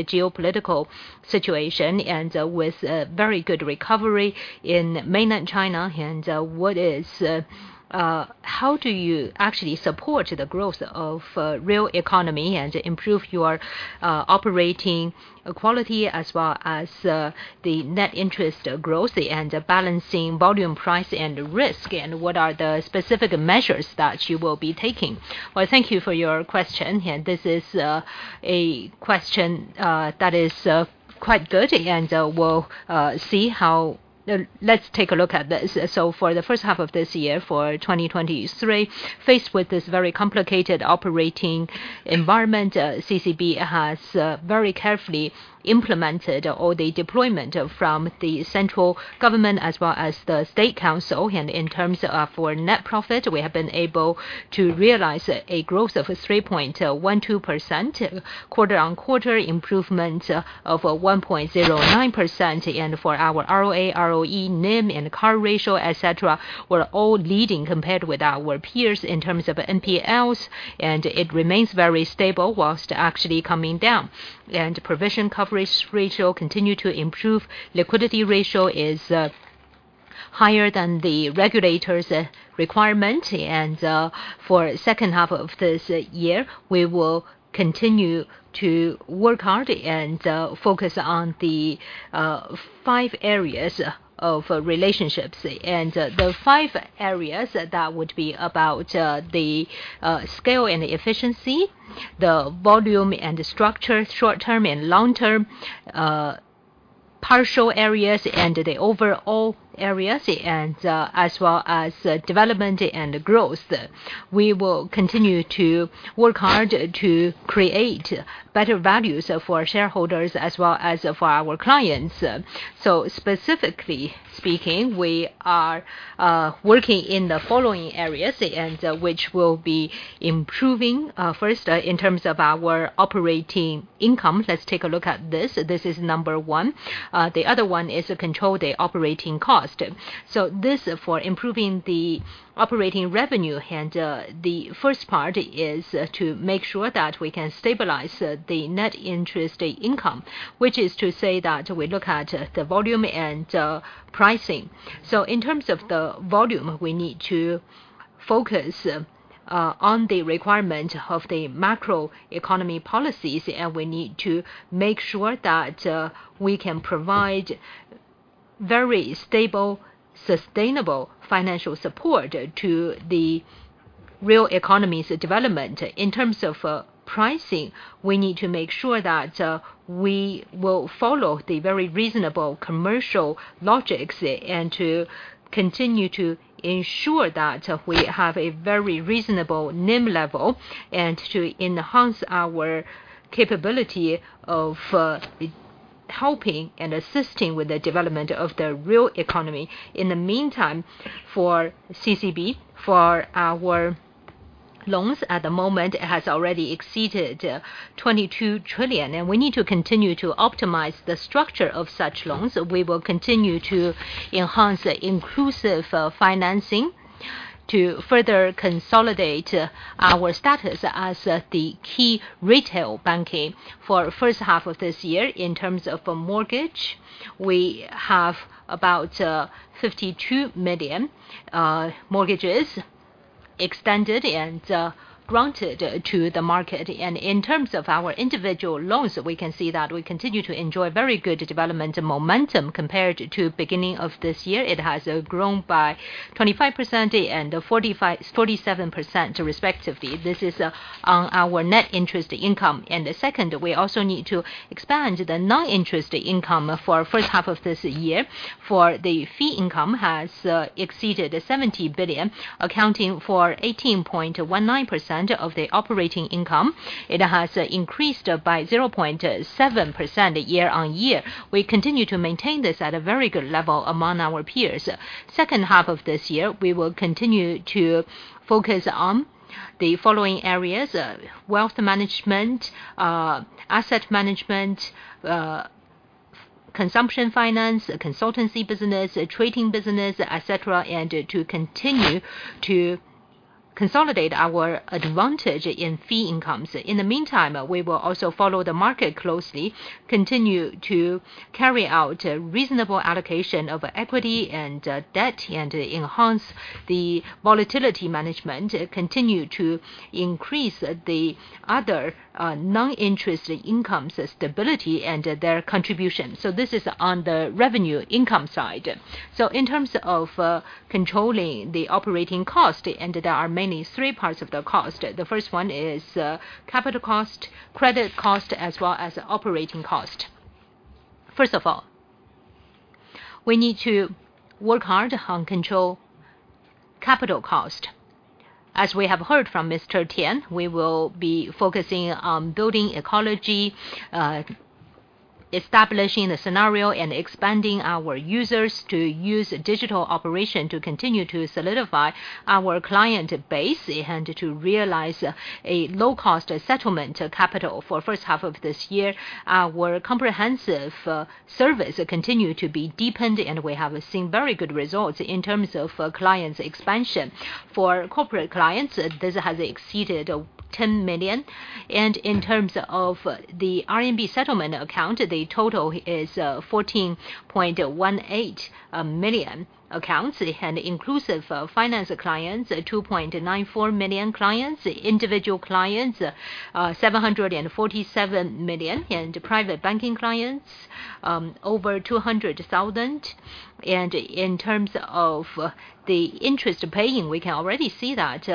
Speaker 5: geopolitical situation and with a very good recovery in mainland China, and what is... How do you actually support the growth of real economy and improve your operating quality, as well as the net interest growth and balancing volume, price, and risk? And what are the specific measures that you will be taking?
Speaker 2: Well, thank you for your question, and this is a question that is quite good, and we'll see how. Let's take a look at this. So for the first half of this year, for 2023, faced with this very complicated operating environment, CCB has very carefully implemented all the deployment from the central government as well as the State Council. And in terms of our net profit, we have been able to realize a growth of 3.12%, quarter-on-quarter improvement of 1.09%. And for our ROA, ROE, NIM, and CAR ratio, etc., we're all leading compared with our peers in terms of NPLs, and it remains very stable while actually coming down. And provision coverage ratio continue to improve. Liquidity ratio is higher than the regulators' requirement. For second half of this year, we will continue to work hard and focus on the five areas of relationships. The five areas, that would be about the scale and efficiency, the volume and the structure, short-term and long-term, partial areas and the overall areas, as well as development and growth. We will continue to work hard to create better values for shareholders as well as for our clients. So specifically speaking, we are working in the following areas, and which will be improving. First, in terms of our operating income, let's take a look at this. This is number one. The other one is to control the operating cost. So this, for improving the operating revenue, and the first part is to make sure that we can stabilize the net interest income, which is to say that we look at the volume and pricing. In terms of the volume, we need to focus on the requirement of the macro economy policies, and we need to make sure that we can provide very stable, sustainable financial support to the real economy's development. In terms of pricing, we need to make sure that we will follow the very reasonable commercial logics and to continue to ensure that we have a very reasonable NIM level, and to enhance our capability of helping and assisting with the development of the real economy. In the meantime, for CCB, for our loans at the moment, it has already exceeded 22 trillion, and we need to continue to optimize the structure of such loans. We will continue to enhance the inclusive financing to further consolidate our status as the key retail banking. For first half of this year, in terms of a mortgage, we have about 52 million mortgages extended and granted to the market. And in terms of our individual loans, we can see that we continue to enjoy very good development and momentum compared to beginning of this year. It has grown by 25% and 45--47% respectively. This is on our net interest income. The second, we also need to expand the non-interest income for first half of this year, for the fee income has exceeded 70 billion, accounting for 18.19% of the operating income. It has increased by 0.7% year-on-year. We continue to maintain this at a very good level among our peers. Second half of this year, we will continue to focus on the following areas: wealth management, asset management, consumption finance, consultancy business, trading business, et cetera, and to continue to consolidate our advantage in fee incomes. In the meantime, we will also follow the market closely, continue to carry out a reasonable allocation of equity and debt, and enhance the volatility management, continue to increase the other non-interest income stability and their contribution. So this is on the revenue income side. So in terms of controlling the operating cost, and there are mainly three parts of the cost. The first one is capital cost, credit cost, as well as operating cost. First of all, we need to work hard on control capital cost. As we have heard from Mr. Tian, we will be focusing on building ecology, establishing the scenario, and expanding our users to use digital operation to continue to solidify our client base and to realize a low-cost settlement capital. For first half of this year, our comprehensive service continue to be deepened, and we have seen very good results in terms of clients expansion. For corporate clients, this has exceeded 10 million. In terms of the RMB settlement account, the total is 14.18 million accounts and inclusive finance clients, 2.94 million clients, individual clients 747 million, and private banking clients over 200,000. In terms of the interest paying, we can already see that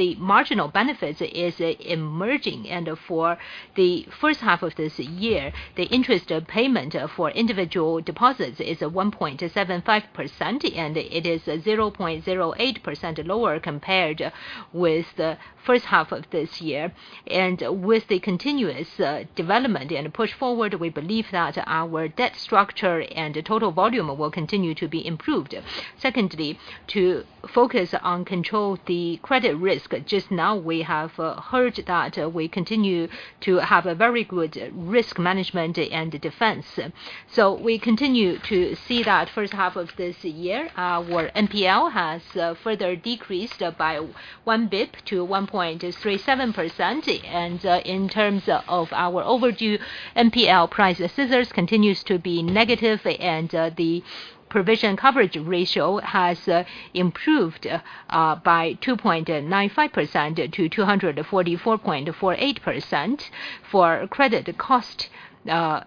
Speaker 2: the marginal benefits is emerging. For the first half of this year, the interest payment for individual deposits is at 1.75%, and it is 0.08% lower compared with the first half of this year. With the continuous development and push forward, we believe that our debt structure and total volume will continue to be improved. Secondly, to focus on control the credit risk. Just now, we have heard that we continue to have a very good risk management and defense. So we continue to see that first half of this year, our NPL has further decreased by one bp to 1.37%. And, in terms of our overdue NPL ratio, scissors continues to be negative, and, the provision coverage ratio has improved, by 2.95% to 244.48%. For credit cost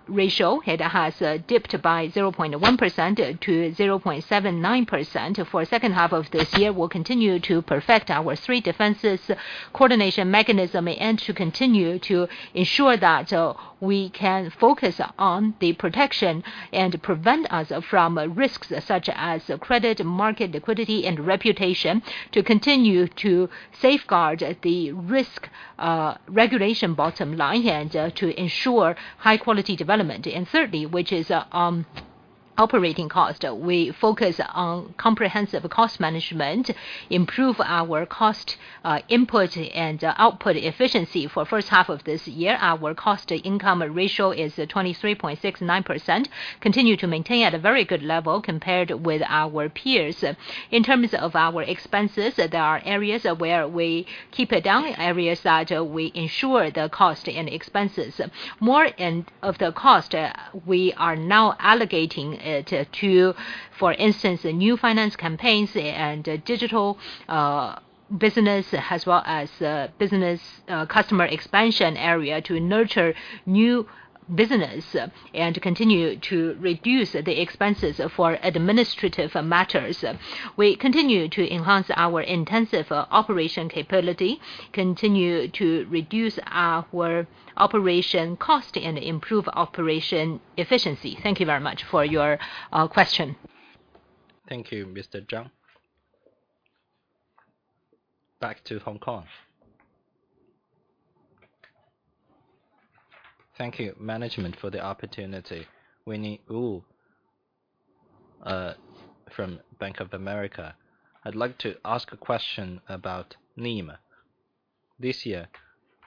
Speaker 2: ratio, it has dipped by 0.1% to 0.79%. For second half of this year, we'll continue to perfect our three defenses coordination mechanism, and to continue to ensure that we can focus on the protection and prevent us from risks such as credit, market liquidity, and reputation, to continue to safeguard the risk regulation bottom line, and to ensure high quality development. Thirdly, which is operating cost. We focus on comprehensive cost management, improve our cost input and output efficiency. For first half of this year, our cost income ratio is 23.69%, continue to maintain at a very good level compared with our peers. In terms of our expenses, there are areas where we keep it down, areas that we ensure the cost and expenses. More and more of the cost, we are now allocating it to, for instance, new finance campaigns and digital business, as well as business customer expansion area to nurture new business, and to continue to reduce the expenses for administrative matters. We continue to enhance our intensive operation capability, continue to reduce our operation cost, and improve operation efficiency. Thank you very much for your question.
Speaker 1: Thank you, Mr. Zhang. Back to Hong Kong. Thank you, management, for the opportunity. Winnie Wu from Bank of America.
Speaker 6: I'd like to ask a question about NIM. This year,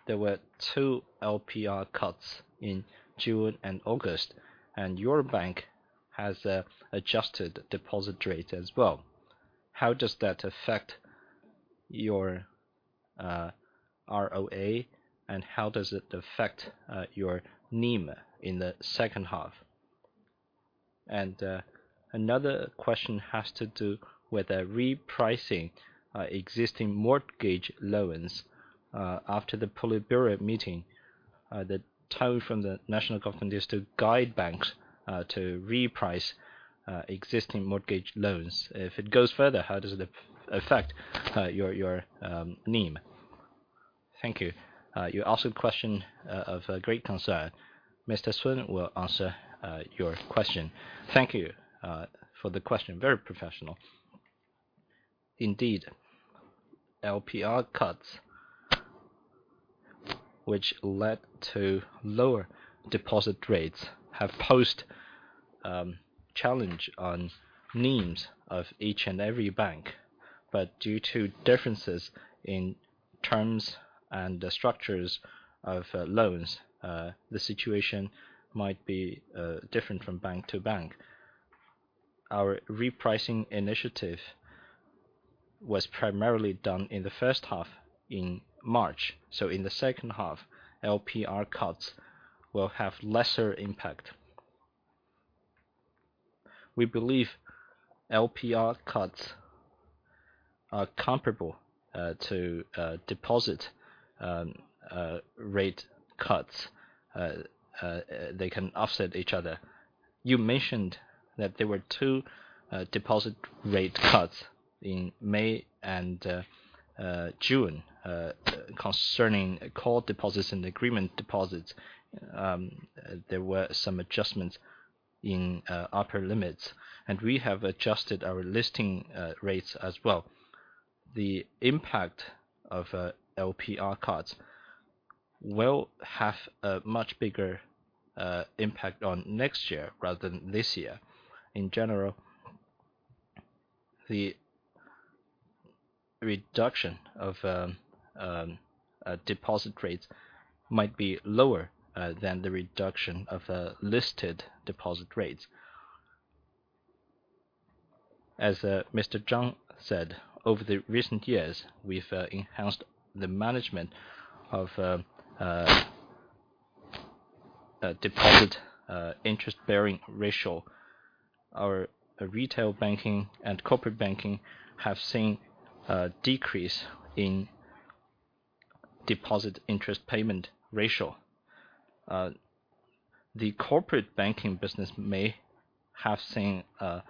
Speaker 6: there were two LPR cuts in June and August, and your bank has adjusted deposit rate as well. How does that affect your ROA, and how does it affect your NIM in the second half? And another question has to do with the repricing existing mortgage loans after the Politburo meeting. The tone from the national government is to guide banks to reprice existing mortgage loans. If it goes further, how does it affect your NIM? Thank you. You asked a question of great concern. Mr. Sheng will answer your question.
Speaker 7: Thank you for the question. Very professional. Indeed, LPR cuts, which led to lower deposit rates, have posed a challenge on NIMs of each and every bank. But due to differences in terms and the structures of loans, the situation might be different from bank to bank. Our repricing initiative was primarily done in the first half in March, so in the second half, LPR cuts will have lesser impact. We believe LPR cuts are comparable to deposit rate cuts. They can offset each other. You mentioned that there were two deposit rate cuts in May and June. Concerning call deposits and agreement deposits, there were some adjustments in upper limits, and we have adjusted our listing rates as well. The impact of LPR cuts will have a much bigger impact on next year rather than this year. In general, the reduction of deposit rates might be lower than the reduction of listed deposit rates. As Mr. Zhang said, over the recent years, we've enhanced the management of deposit interest bearing ratio. Our retail banking and corporate banking have seen a decrease in deposit interest payment ratio. The corporate banking business may have seen a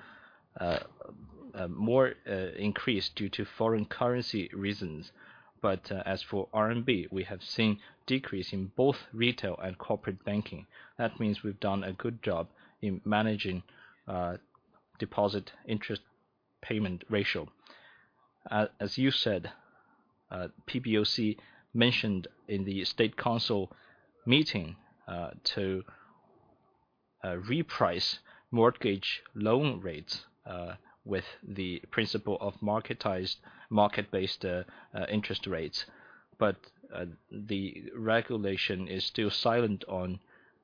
Speaker 7: more increase due to foreign currency reasons. But as for RMB, we have seen decrease in both retail and corporate banking. That means we've done a good job in managing deposit interest payment ratio. As you said, PBOC mentioned in the State Council meeting to reprice mortgage loan rates with the principle of marketized market-based interest rates. But the regulation is still silent on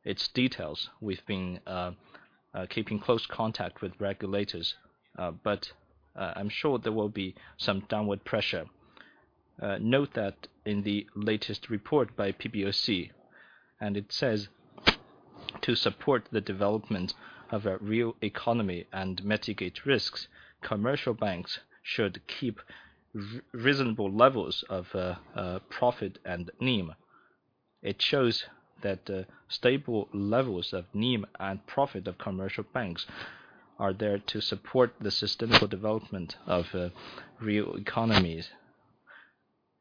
Speaker 7: its details. We've been keeping close contact with regulators, but I'm sure there will be some downward pressure. Note that in the latest report by PBOC, and it says, "To support the development of a real economy and mitigate risks, commercial banks should keep reasonable levels of profit and NIM." It shows that the stable levels of NIM and profit of commercial banks are there to support the systemic development of real economies.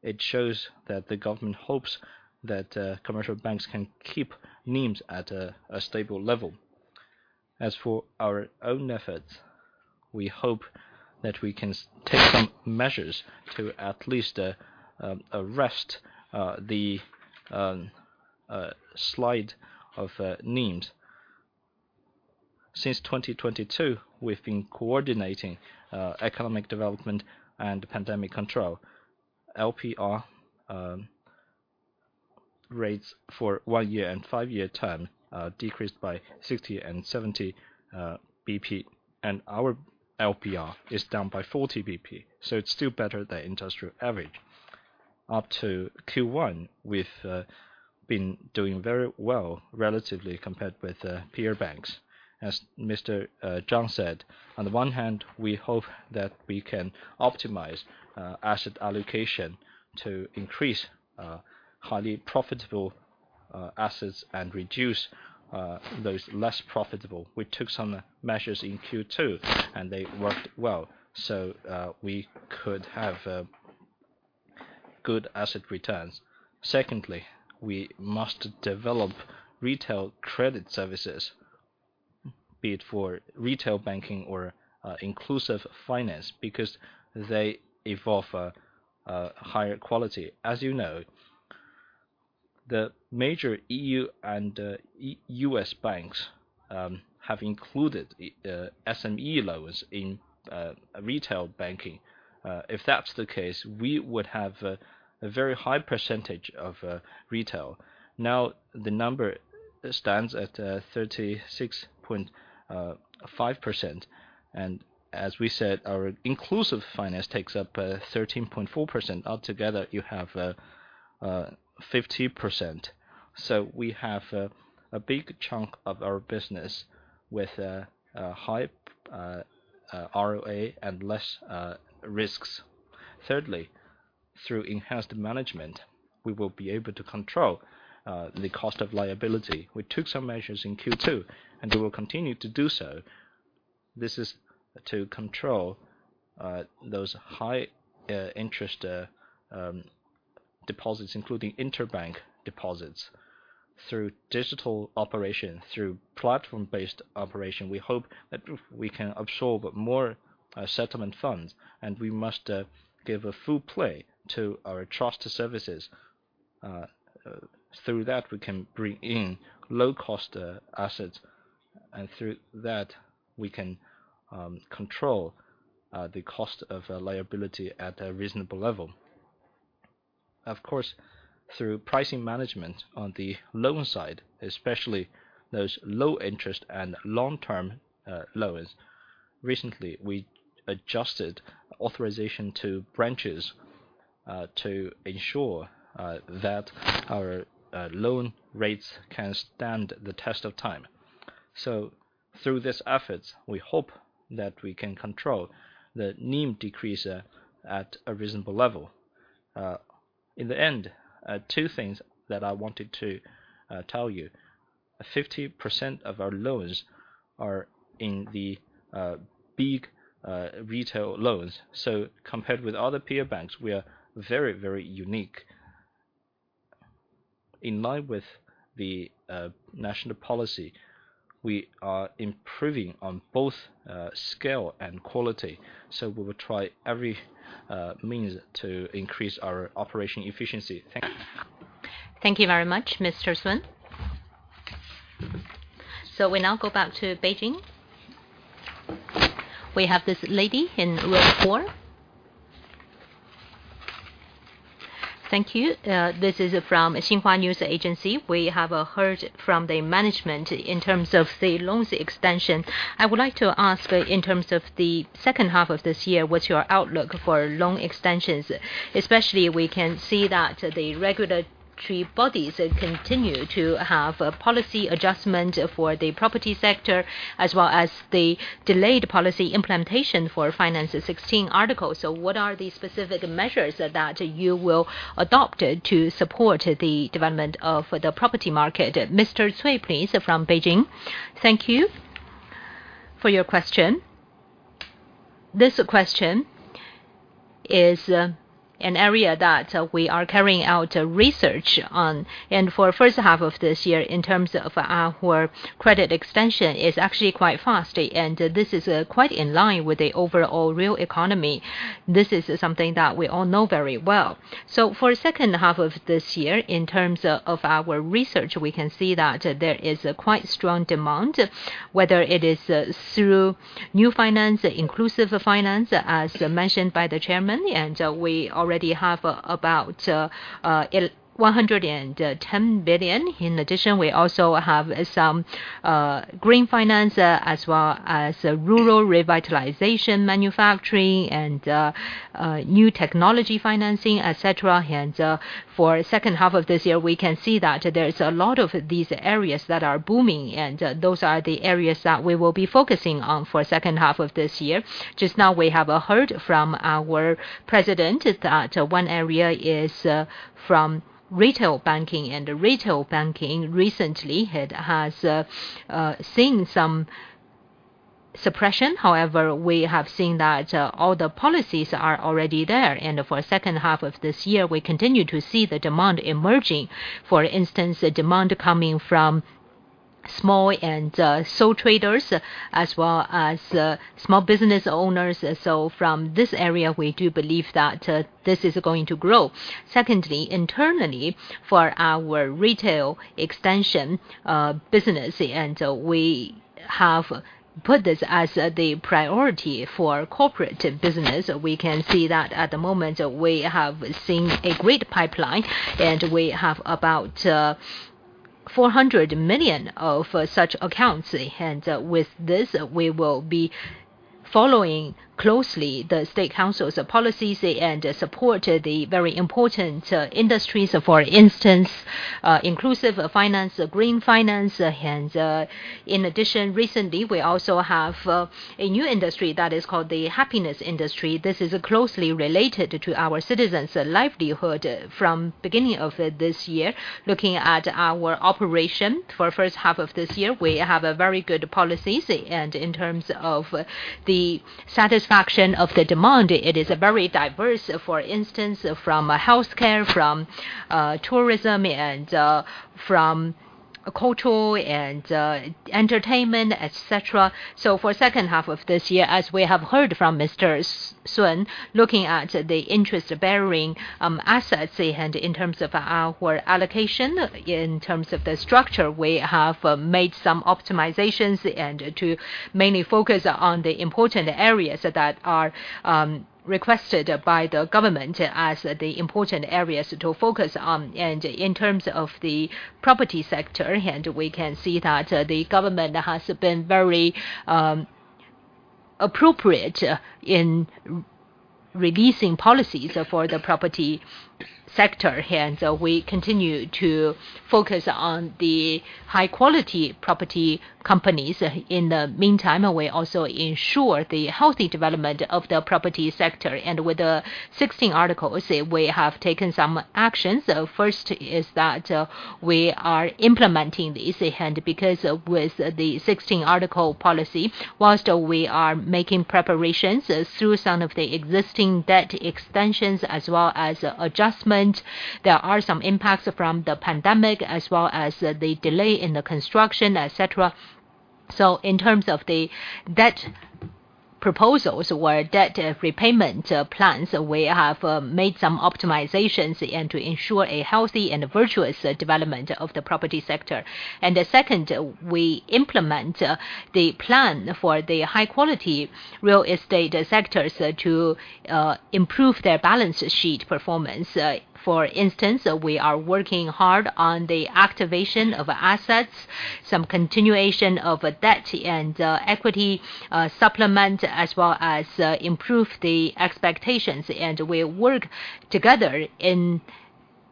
Speaker 7: It shows that the government hopes that commercial banks can keep NIMs at a stable level. As for our own efforts, we hope that we can take some measures to at least arrest the slide of NIMs. Since 2022, we've been coordinating economic development and pandemic control. LPR rates for one-year and five-year term decreased by 60 and 70 BP, and our LPR is down by 40 BP, so it's still better than industrial average. Up to Q1, we've been doing very well relatively compared with peer banks. As Mr. Zhang said, on the one hand, we hope that we can optimize asset allocation to increase highly profitable assets and reduce those less profitable. We took some measures in Q2, and they worked well, so we could have good asset returns. Secondly, we must develop retail credit services, be it for retail banking or inclusive finance, because they involve a higher quality. As you know, the major EU and U.S. banks have included SME loans in retail banking. If that's the case, we would have a very high percentage of retail. Now, the number stands at 36.5%, and as we said, our inclusive finance takes up 13.4%. Altogether, you have 50%. So we have a big chunk of our business with a high ROA and less risks. Thirdly, through enhanced management, we will be able to control the cost of liability. We took some measures in Q2, and we will continue to do so. This is to control those high interest deposits, including interbank deposits. Through digital operation, through platform-based operation, we hope that we can absorb more settlement funds, and we must give a full play to our trust services. Through that, we can bring in low-cost assets, and through that, we can control the cost of liability at a reasonable level. Of course, through pricing management on the loan side, especially those low interest and long-term loans, recently, we adjusted authorization to branches to ensure that our loan rates can stand the test of time. So through these efforts, we hope that we can control the NIM decrease at a reasonable level. In the end, two things that I wanted to tell you. 50% of our loans are in the big retail loans, so compared with other peer banks, we are very, very unique. In line with the national policy, we are improving on both scale and quality, so we will try every means to increase our operation efficiency. Thank you. Thank you very much, Mr. Sheng. So we now go back to Beijing. We have this lady in row four.
Speaker 8: Thank you. This is from Xinhua News Agency. We have heard from the management in terms of the loans extension. I would like to ask, in terms of the second half of this year, what's your outlook for loan extensions? Especially, we can see that the regulatory bodies continue to have a policy adjustment for the property sector, as well as the delayed policy implementation for Finance 16 Articles. So what are the specific measures that you will adopt to support the development of the property market?
Speaker 1: Mr. Cui, please, from Beijing.
Speaker 9: Thank you for your question. This question is an area that we are carrying out research on. For first half of this year, in terms of our credit extension, is actually quite fast, and this is quite in line with the overall real economy. This is something that we all know very well. For second half of this year, in terms of our research, we can see that there is quite strong demand, whether it is through new finance, inclusive finance, as mentioned by the chairman, and we already have about 110 billion. In addition, we also have some green finance as well as rural revitalization, manufacturing, and new technology financing, et cetera. For second half of this year, we can see that there is a lot of these areas that are booming, and those are the areas that we will be focusing on for second half of this year. Just now, we have heard from our president that one area is from retail banking, and retail banking recently it has seen some suppression. However, we have seen that all the policies are already there. For second half of this year, we continue to see the demand emerging. For instance, the demand coming from small and sole traders, as well as small business owners. So from this area, we do believe that this is going to grow. Secondly, internally, for our retail extension business, and we have put this as the priority for corporate business. We can see that at the moment, we have seen a great pipeline, and we have about 400 million of such accounts. And with this, we will be following closely the State Council's policies and support the very important industries. For instance, inclusive finance, green finance. And in addition, recently, we also have a new industry that is called the Happiness Industry. This is closely related to our citizens' livelihood. From beginning of this year, looking at our operation for first half of this year, we have a very good policies. And in terms of the satisfaction of the demand, it is very diverse. For instance, from healthcare, from tourism, and from cultural and entertainment, et cetera. So for second half of this year, as we have heard from Mr. Sheng, looking at the interest-bearing assets and in terms of our allocation, in terms of the structure, we have made some optimizations to mainly focus on the important areas that are requested by the government as the important areas to focus on. In terms of the property sector, we can see that the government has been very appropriate in releasing policies for the property sector. We continue to focus on the high-quality property companies. In the meantime, we also ensure the healthy development of the property sector. With the 16 Articles, we have taken some actions. First is that, we are implementing these and because with the 16 Articles policy, while we are making preparations through some of the existing debt extensions as well as adjustment, there are some impacts from the pandemic, as well as the delay in the construction, et cetera. So in terms of the debt proposals or debt repayment plans, we have made some optimizations and to ensure a healthy and virtuous development of the property sector. And the second, we implement the plan for the high-quality real estate sectors to improve their balance sheet performance. For instance, we are working hard on the activation of assets, some continuation of debt and equity supplement, as well as improve the expectations. And we work together in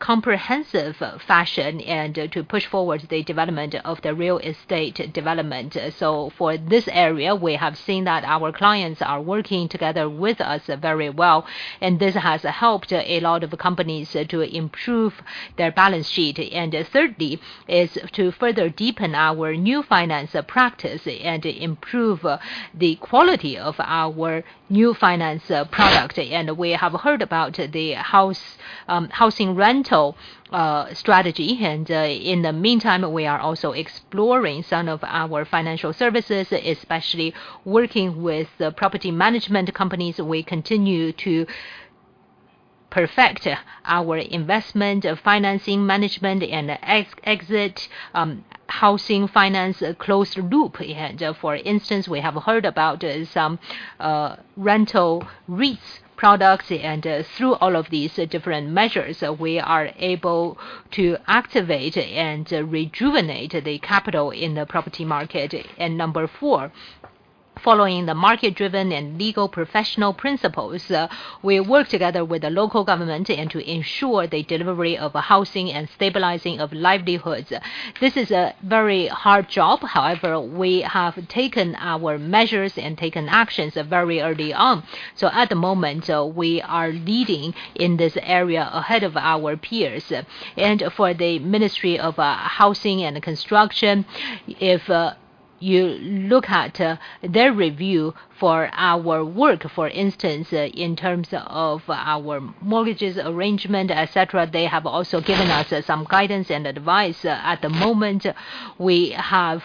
Speaker 9: comprehensive fashion and to push forward the development of the real estate development. So for this area, we have seen that our clients are working together with us very well, and this has helped a lot of companies to improve their balance sheet. Thirdly, is to further deepen our new finance practice and improve the quality of our new finance product. We have heard about the housing rental strategy. In the meantime, we are also exploring some of our financial services, especially working with the property management companies. We continue to perfect our investment, financing, management, and exit housing finance closed loop. For instance, we have heard about some rental REITs products. Through all of these different measures, we are able to activate and rejuvenate the capital in the property market. And number four, following the market-driven and legal professional principles, we work together with the local government and to ensure the delivery of housing and stabilizing of livelihoods. This is a very hard job. However, we have taken our measures and taken actions very early on. So at the moment, we are leading in this area ahead of our peers. And for the Ministry of Housing and Construction, if you look at their review for our work, for instance, in terms of our mortgages arrangement, et cetera, they have also given us some guidance and advice. At the moment, we have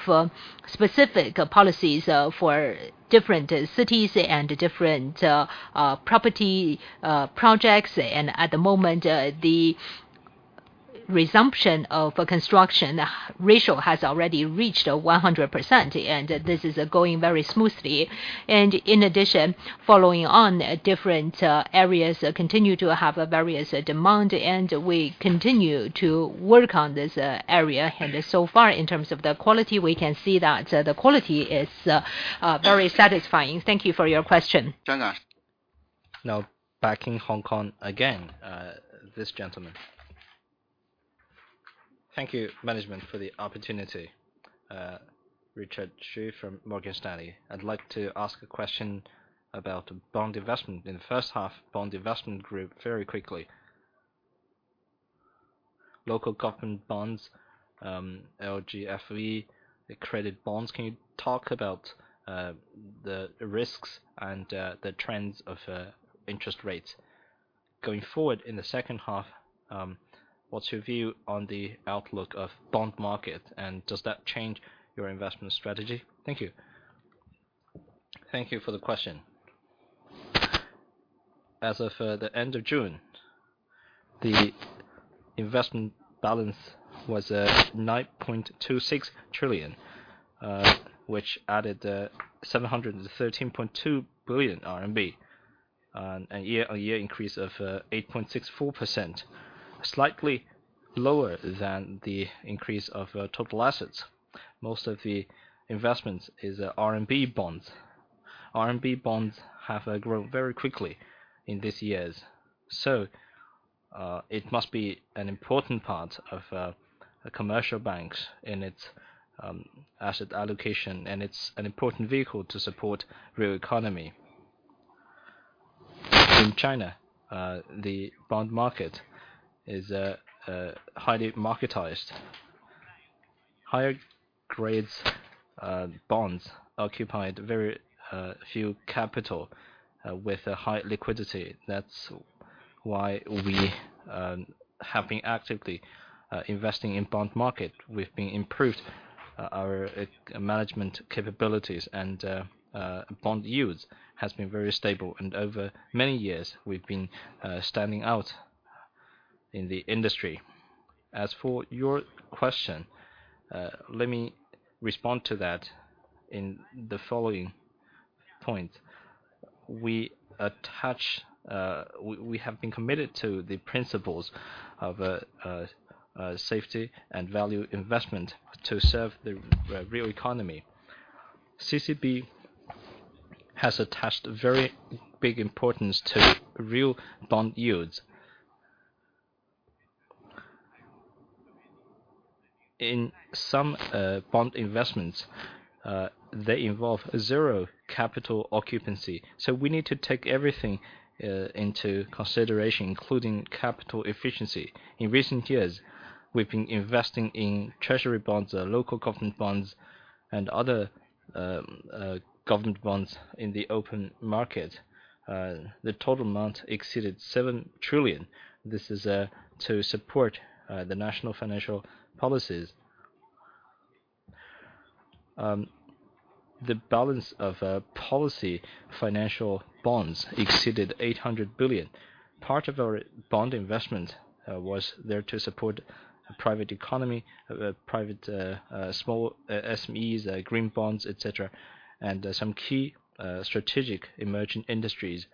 Speaker 9: specific policies for different cities and different property projects. And at the moment, the resumption of construction ratio has already reached 100%, and this is going very smoothly. In addition, following on, different areas continue to have various demand, and we continue to work on this area. So far, in terms of the quality, we can see that the quality is very satisfying. Thank you for your question.
Speaker 1: Now back in Hong Kong again, this gentleman. Thank you, management, for the opportunity. Richard Xu from Morgan Stanley. I'd like to ask a question about bond investment. In the first half, bond investment grew very quickly.
Speaker 10: local government bonds, LGFV, the credit bonds. Can you talk about the risks and the trends of interest rates? Going forward in the second half, what's your view on the outlook of bond market, and does that change your investment strategy?
Speaker 2: Thank you. Thank you for the question. As of the end of June, the investment balance was at 9.26 trillion, which added 713.2 billion RMB, on a year-on-year increase of 8.64%, slightly lower than the increase of total assets. Most of the investments is RMB bonds. RMB bonds have grown very quickly in these years, so it must be an important part of the commercial banks in its asset allocation, and it's an important vehicle to support real economy. In China, the bond market is highly marketized. Higher grades bonds occupied very few capital with a high liquidity. That's why we have been actively investing in bond market. We've been improved our management capabilities and bond yields has been very stable, and over many years, we've been standing out in the industry. As for your question, let me respond to that in the following point. We attach... We have been committed to the principles of safety and value investment to serve the real economy. CCB has attached very big importance to real bond yields. In some bond investments, they involve zero capital occupancy, so we need to take everything into consideration, including capital efficiency. In recent years, we've been investing in treasury bonds, local government bonds, and other, government bonds in the open market. The total amount exceeded 7 trillion. This is to support the national financial policies. The balance of a policy financial bonds exceeded 800 billion. Part of our bond investment was there to support private economy, private, small SMEs, green bonds, et cetera, and some key strategic emerging industries.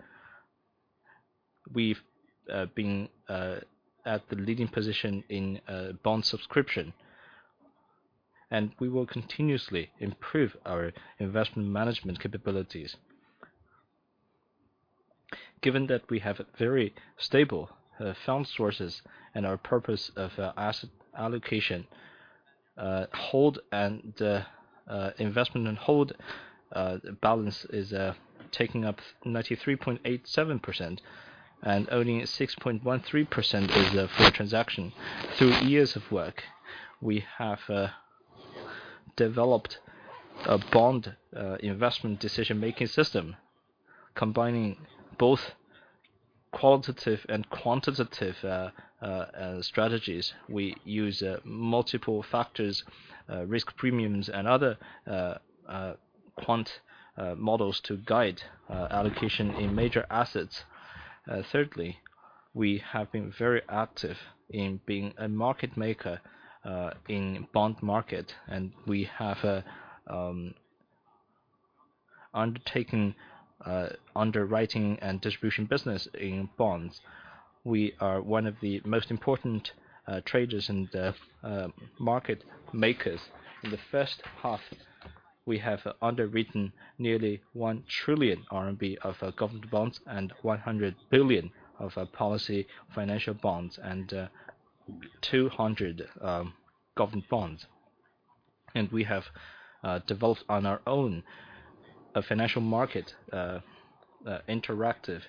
Speaker 2: We've been at the leading position in bond subscription, and we will continuously improve our investment management capabilities. Given that we have very stable fund sources and our purpose of asset allocation, hold and investment and hold balance is taking up 93.87% and only 6.13% is for transaction. Through years of work, we have developed a bond investment decision-making system, combining both qualitative and quantitative strategies. We use multiple factors, risk premiums, and other quant models to guide allocation in major assets. Thirdly, we have been very active in being a market maker in bond market, and we have undertaken underwriting and distribution business in bonds. We are one of the most important traders and market makers. In the first half, we have underwritten nearly 1 trillion RMB of government bonds and 100 billion of policy financial bonds and 200 government bonds. We have developed on our own a financial market interactive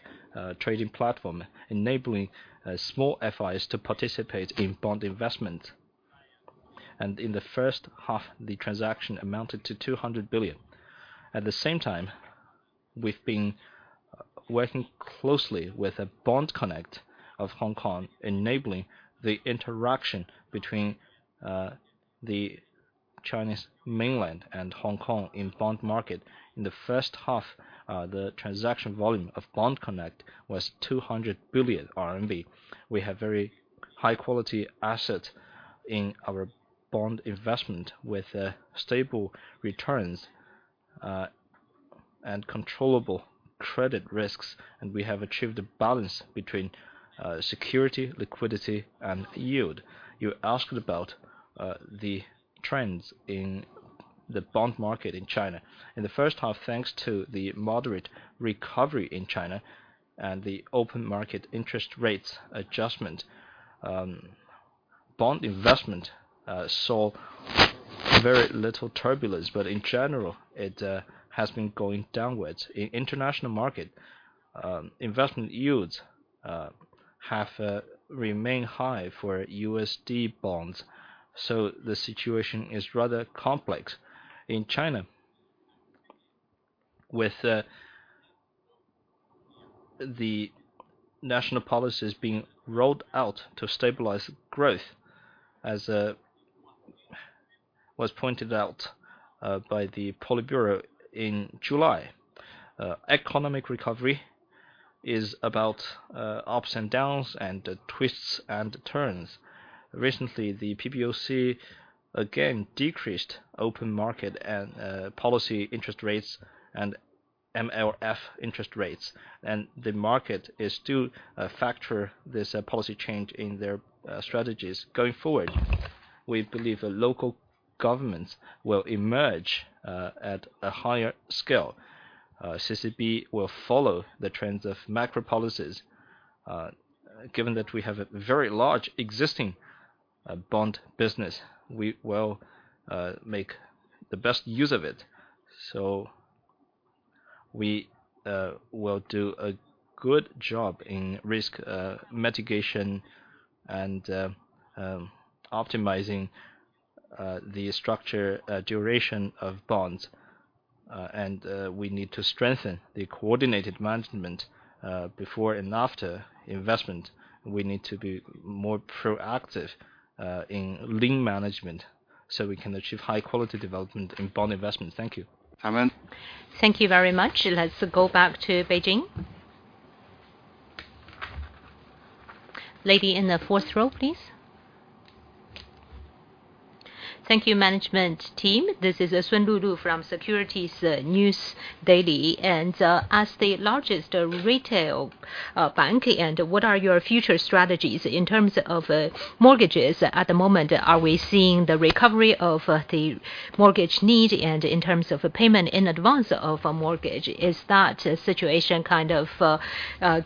Speaker 2: trading platform, enabling small FIs to participate in bond investment. In the first half, the transaction amounted to 200 billion. At the same time, we've been working closely with Bond Connect of Hong Kong, enabling the interaction between the Chinese mainland and Hong Kong in bond market. In the first half, the transaction volume of Bond Connect was 200 billion RMB. We have very high-quality asset in our bond investment with stable returns and controllable credit risks, and we have achieved a balance between security, liquidity, and yield. You asked about the trends in the bond market in China. In the first half, thanks to the moderate recovery in China and the open market interest rates adjustment, bond investment very little turbulence, but in general, it has been going downwards. In international market, investment yields have remained high for USD bonds, so the situation is rather complex. In China, with the national policies being rolled out to stabilize growth, as was pointed out by the Politburo in July, economic recovery is about ups and downs and twists and turns. Recently, the PBOC again decreased open market and policy interest rates and MLF interest rates, and the market is to factor this policy change in their strategies. Going forward, we believe local governments will emerge at a higher scale. CCB will follow the trends of macro policies. Given that we have a very large existing bond business, we will make the best use of it. So we will do a good job in risk mitigation and optimizing the structure duration of bonds. And we need to strengthen the coordinated management before and after investment. We need to be more proactive in lean management, so we can achieve high quality development in bond investment. Thank you. Chairman.
Speaker 1: Thank you very much. Let's go back to Beijing. Lady in the fourth row, please. Thank you, management team.
Speaker 11: This is Sun Lulu from Securities Daily, and as the largest retail bank, what are your future strategies in terms of mortgages at the moment? Are we seeing the recovery of the mortgage need? And in terms of payment in advance of a mortgage, is that situation kind of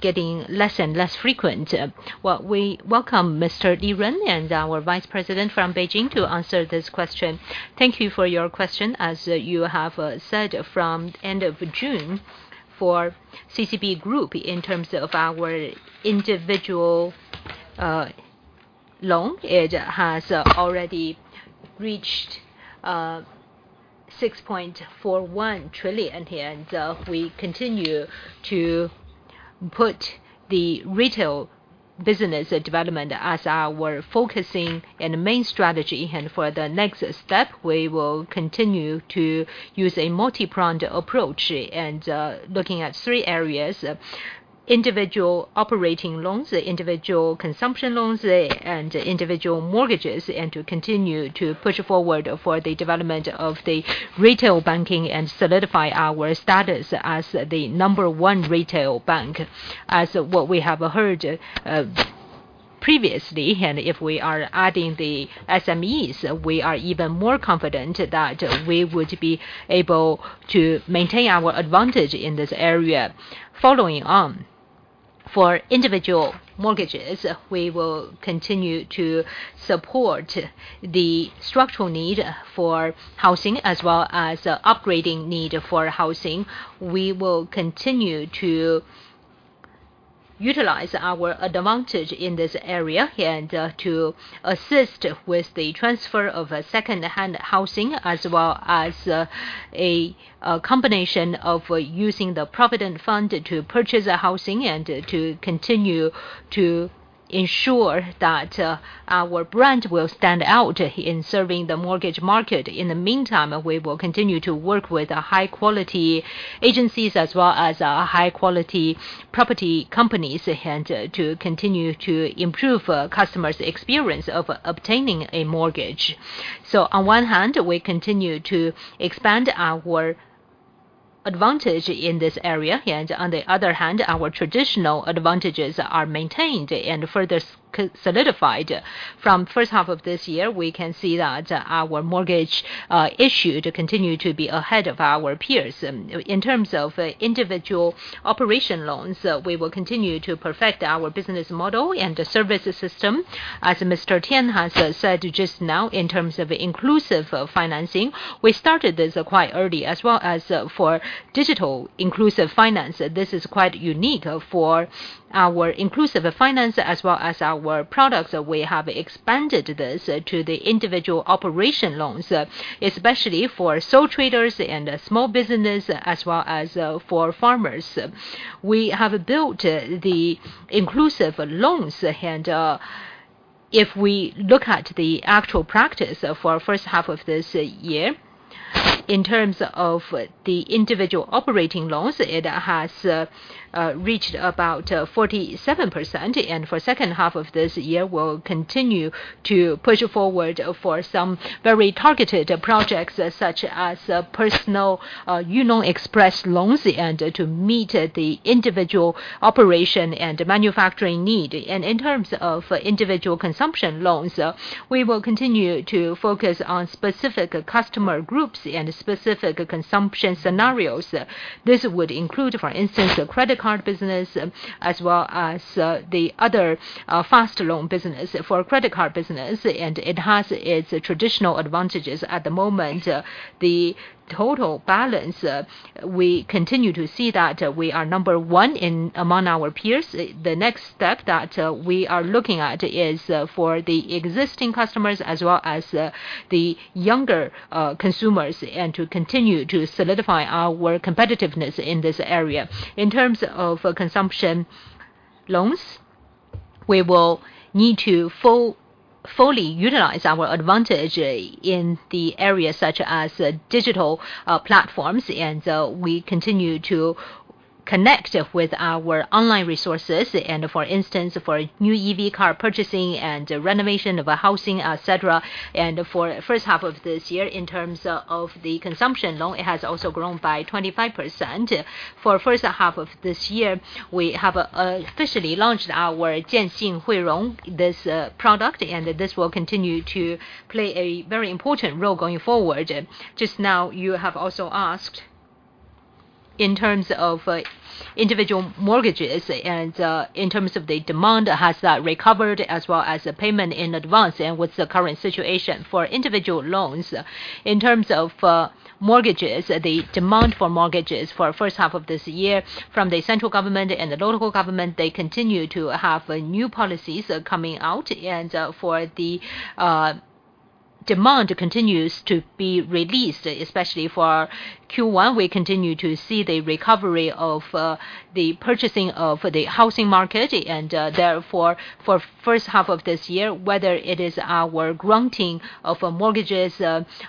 Speaker 11: getting less and less frequent?
Speaker 1: Well, we welcome Mr. Li Yun and our Vice President from Beijing to answer this question.
Speaker 12: Thank you for your question. As you have said, from end of June, for CCB Group, in terms of our individual loan, it has already reached 6.41 trillion. We continue to put the retail business development as our focusing and main strategy. For the next step, we will continue to use a multi-pronged approach and, looking at three areas: individual operating loans, individual consumption loans, and individual mortgages, and to continue to push forward for the development of the retail banking and solidify our status as the number one retail bank. As what we have heard, previously, and if we are adding the SMEs, we are even more confident that we would be able to maintain our advantage in this area. Following on, for individual mortgages, we will continue to support the structural need for housing, as well as upgrading need for housing. We will continue to utilize our advantage in this area and to assist with the transfer of a second-hand housing, as well as a combination of using the provident fund to purchase a housing and to continue to ensure that our brand will stand out in serving the mortgage market. In the meantime, we will continue to work with high-quality agencies as well as high-quality property companies, and to continue to improve customers' experience of obtaining a mortgage. So on one hand, we continue to expand our advantage in this area, and on the other hand, our traditional advantages are maintained and further solidified. From first half of this year, we can see that our mortgage issued continue to be ahead of our peers. And in terms of individual operation loans, we will continue to perfect our business model and the service system. As Mr. Tian has said just now, in terms of inclusive financing, we started this quite early, as well as for digital inclusive finance. This is quite unique for our inclusive finance as well as our products. We have expanded this to the individual operation loans, especially for sole traders and small business, as well as for farmers. We have built the inclusive loans, and if we look at the actual practice for first half of this year, in terms of the individual operating loans, it has reached about 47%. For the second half of this year, we'll continue to push forward for some very targeted projects, such as Personal Yunong Quick Loans, and to meet the individual operation and manufacturing need. In terms of individual consumption loans, we will continue to focus on specific customer groups and specific consumption scenarios. This would include, for instance, the credit card business, as well as the other fast loan business. For credit card business, and it has its traditional advantages. At the moment, the total balance, we continue to see that we are number one among our peers. The next step that we are looking at is for the existing customers, as well as the younger consumers, and to continue to solidify our competitiveness in this area. In terms of consumption loans? We will need to fully utilize our advantage in the areas such as digital platforms, and we continue to connect with our online resources. And for instance, for new EV car purchasing and renovation of a housing, et cetera. And for first half of this year, in terms of the consumption loan, it has also grown by 25%. For first half of this year, we have officially launched our "...," this product, and this will continue to play a very important role going forward. Just now, you have also asked in terms of individual mortgages and in terms of the demand, has that recovered as well as the payment in advance and what's the current situation? For individual loans, in terms of mortgages, the demand for mortgages for first half of this year from the central government and the local government, they continue to have new policies coming out. And for the demand continues to be released, especially for Q1, we continue to see the recovery of the purchasing of the housing market. And therefore, for first half of this year, whether it is our granting of mortgages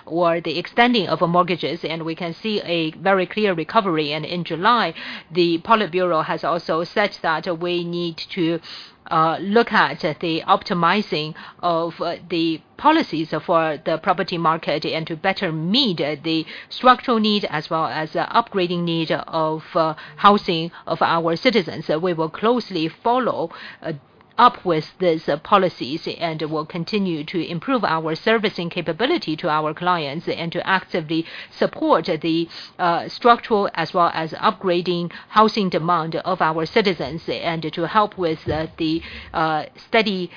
Speaker 12: or the extending of mortgages, and we can see a very clear recovery. And in July, the Politburo has also said that we need to look at the optimizing of the policies for the property market and to better meet the structural need as well as the upgrading need of housing of our citizens. We will closely follow up with these policies, and we'll continue to improve our servicing capability to our clients and to actively support the structural as well as upgrading housing demand of our citizens, and to help with the steady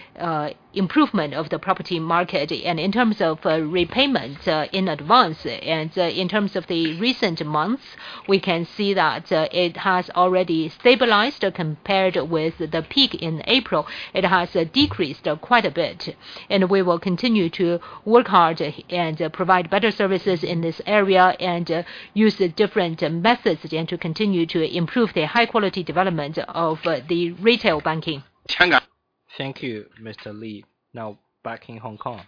Speaker 12: improvement of the property market. In terms of repayment in advance, and in terms of the recent months, we can see that it has already stabilized compared with the peak in April. It has decreased quite a bit. We will continue to work hard and provide better services in this area, and use different methods, and to continue to improve the high-quality development of the retail banking.
Speaker 1: Thank you, Mr. Li. Now back in Hong Kong.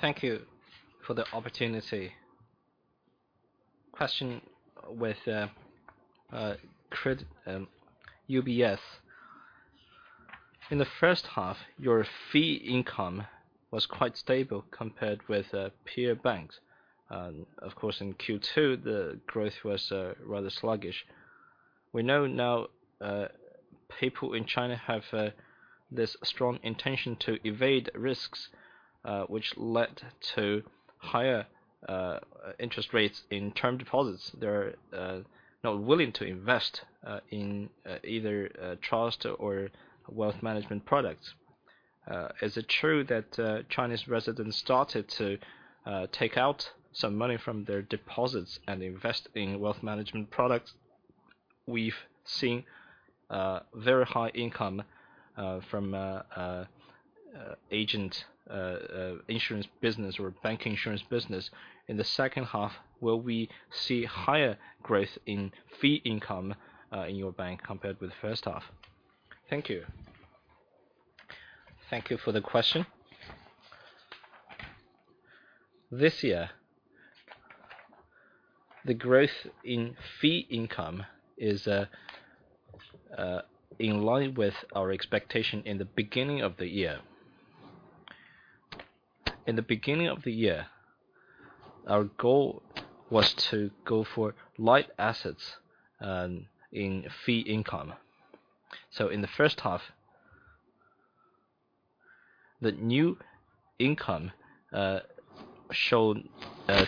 Speaker 13: Thank you for the opportunity. Question with Chris UBS. In the first half, your fee income was quite stable compared with peer banks. Of course, in Q2, the growth was rather sluggish. We know now people in China have this strong intention to evade risks, which led to higher interest rates in term deposits. They're not willing to invest in either trust or wealth management products. Is it true that Chinese residents started to take out some money from their deposits and invest in wealth management products? We've seen very high income from agent insurance business or bank insurance business. In the second half, will we see higher growth in fee income in your bank compared with the first half?
Speaker 2: Thank you. Thank you for the question. This year, the growth in fee income is in line with our expectation in the beginning of the year. In the beginning of the year, our goal was to go for light assets in fee income. So in the first half, the new income showed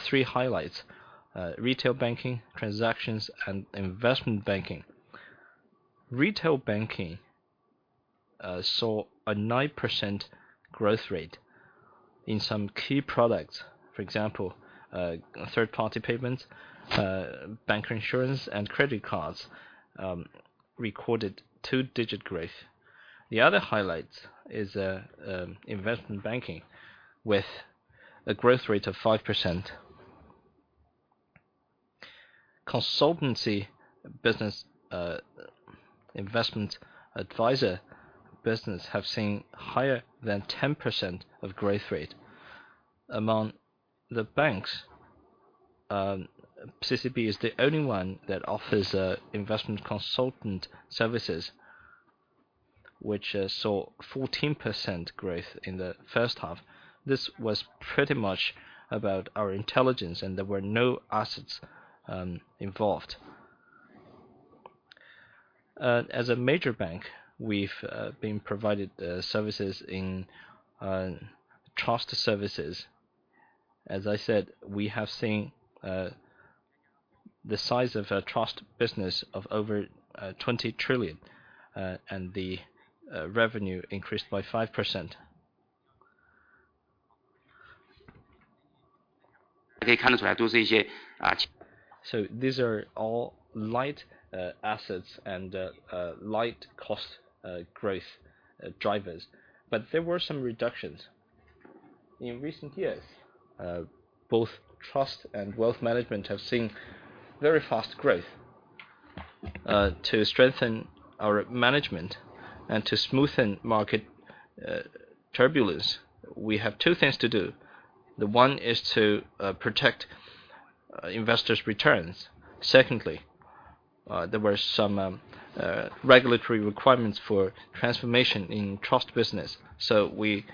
Speaker 2: three highlights: retail banking, transactions, and investment banking. Retail banking saw a 9% growth rate in some key products. For example, third-party payments, bank insurance, and credit cards recorded two-digit growth. The other highlight is investment banking with a growth rate of 5%. Consultancy business, investment advisor business, have seen higher than 10% of growth rate. Among the banks, CCB is the only one that offers investment consultant services, which saw 14% growth in the first half. This was pretty much about our intelligence, and there were no assets involved. As a major bank, we've been provided services in trust services. As I said, we have seen the size of a trust business of over 20 trillion, and the revenue increased by 5%. So these are all light assets and light cost growth drivers. But there were some reductions. In recent years, both trust and wealth management have seen very fast growth. To strengthen our management and to smoothen market turbulence, we have two things to do. The one is to protect investors' returns. Secondly, there were some regulatory requirements for transformation in trust business, so we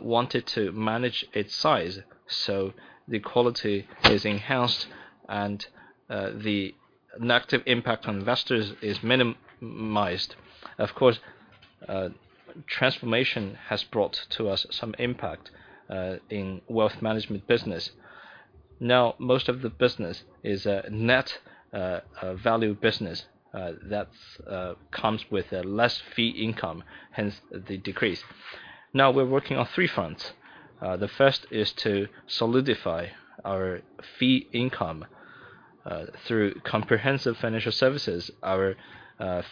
Speaker 2: wanted to manage its size, so the quality is enhanced and the negative impact on investors is minimized. Of course, transformation has brought to us some impact in wealth management business. Now, most of the business is a net value business that comes with less fee income, hence the decrease. Now, we're working on three fronts. The first is to solidify our fee income. Through comprehensive financial services, our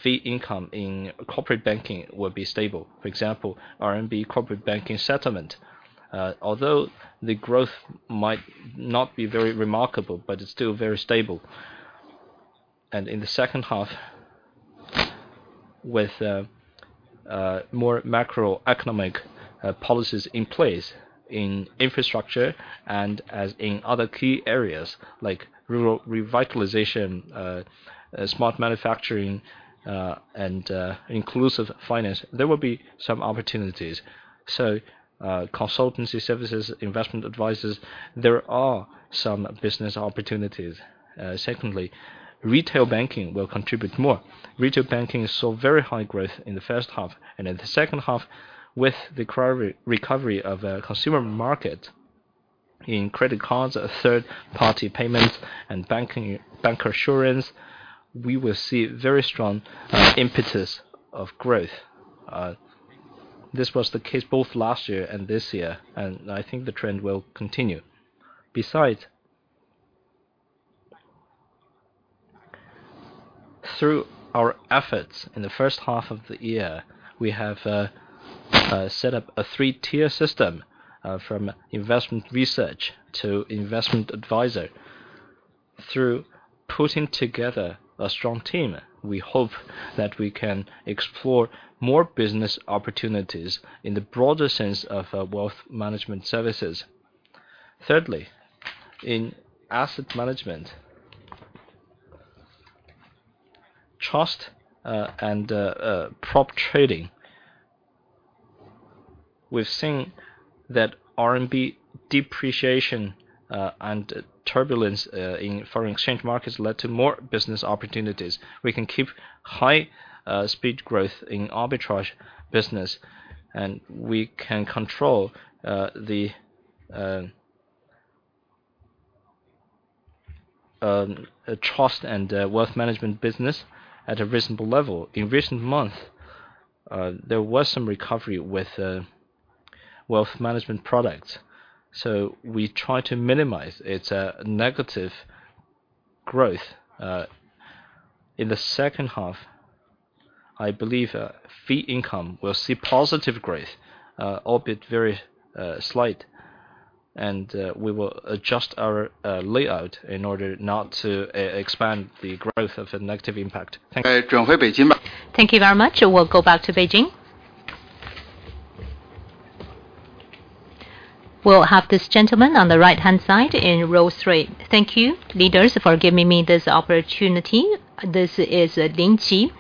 Speaker 2: fee income in corporate banking will be stable. For example, RMB corporate banking settlement. Although the growth might not be very remarkable, but it's still very stable. In the second half, with more macroeconomic policies in place in infrastructure and as in other key areas like rural revitalization, smart manufacturing, and inclusive finance, there will be some opportunities. So, consultancy services, investment advisors, there are some business opportunities. Secondly, retail banking will contribute more. Retail banking saw very high growth in the first half, and in the second half, with the recovery of the consumer market in credit cards, third-party payments, and banking, bancassurance, we will see very strong impetus of growth. This was the case both last year and this year, and I think the trend will continue. Besides, through our efforts in the first half of the year, we have set up a three-tier system, from investment research to investment advisor. Through putting together a strong team, we hope that we can explore more business opportunities in the broader sense of wealth management services. Thirdly, in asset management, trust, and prop trading, we've seen that RMB depreciation and turbulence in foreign exchange markets led to more business opportunities. We can keep high speed growth in arbitrage business, and we can control the trust and wealth management business at a reasonable level. In recent months, there was some recovery with wealth management products, so we try to minimize its negative growth. In the second half, I believe fee income will see positive growth, albeit very slight, and we will adjust our layout in order not to expand the growth of a negative impact. Thank you.
Speaker 1: Thank you very much. We'll go back to Beijing. We'll have this gentleman on the right-hand side in row three.
Speaker 14: Thank you, leaders, for giving me this opportunity. This is Lin Qi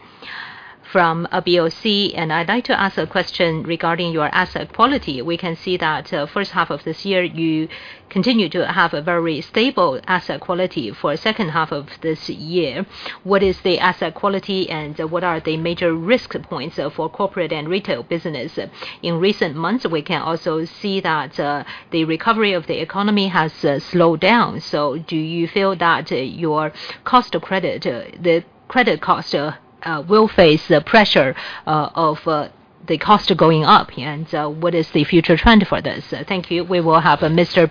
Speaker 14: from BOCI, and I'd like to ask a question regarding your asset quality. We can see that first half of this year, you continued to have a very stable asset quality. For second half of this year, what is the asset quality, and what are the major risk points for corporate and retail business? In recent months, we can also see that the recovery of the economy has slowed down. So do you feel that your cost of the credit cost will face the pressure of the cost going up, and what is the future trend for this? Thank you.
Speaker 2: We will have Mr.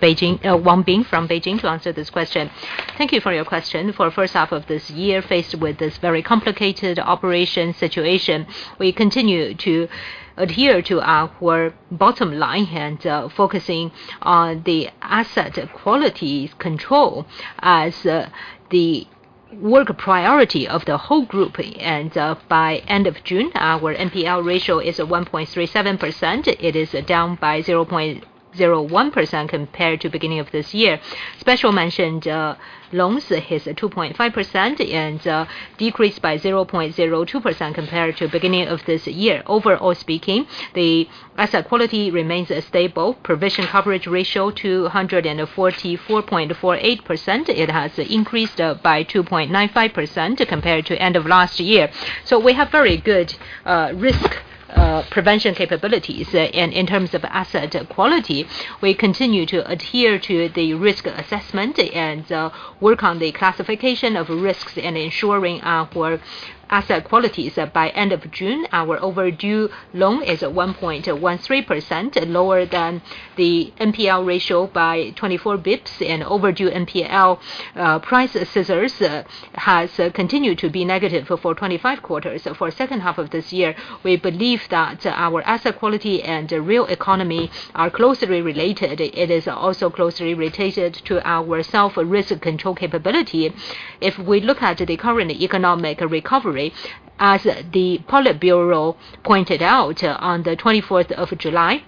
Speaker 2: Wang Bing from Beijing to answer this question.
Speaker 15: Thank you for your question. For first half of this year, faced with this very complicated operation situation, we continued to adhere to our bottom line and focusing on the asset quality control as the work priority of the whole group. By end of June, our NPL ratio is 1.37%. It is down by 0.01% compared to beginning of this year. Special mention loans is 2.5% and decreased by 0.02% compared to beginning of this year. Overall speaking, the asset quality remains stable. Provision coverage ratio, 244.48%. It has increased by 2.95% compared to end of last year. So we have very good risk prevention capabilities. In terms of asset quality, we continue to adhere to the risk assessment and work on the classification of risks and ensuring our asset qualities. By end of June, our overdue loan is at 1.13%, lower than the NPL ratio by 24 basis points, and overdue NPL price scissors has continued to be negative for 25 quarters. For second half of this year, we believe that our asset quality and real economy are closely related. It is also closely related to our self-risk control capability. If we look at the current economic recovery, as the Politburo pointed out on the twenty-fourth of July,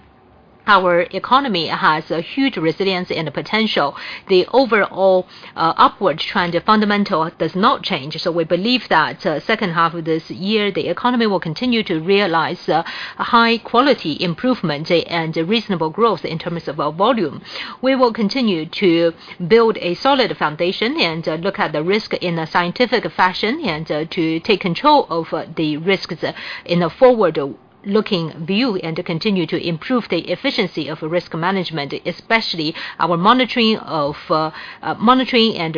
Speaker 15: our economy has a huge resilience and potential. The overall upward trend, the fundamental does not change. So we believe that, second half of this year, the economy will continue to realize, high quality improvement and reasonable growth in terms of, volume. We will continue to build a solid foundation and, look at the risk in a scientific fashion, and, to take control of the risks in a forward-looking view, and to continue to improve the efficiency of risk management, especially our monitoring of,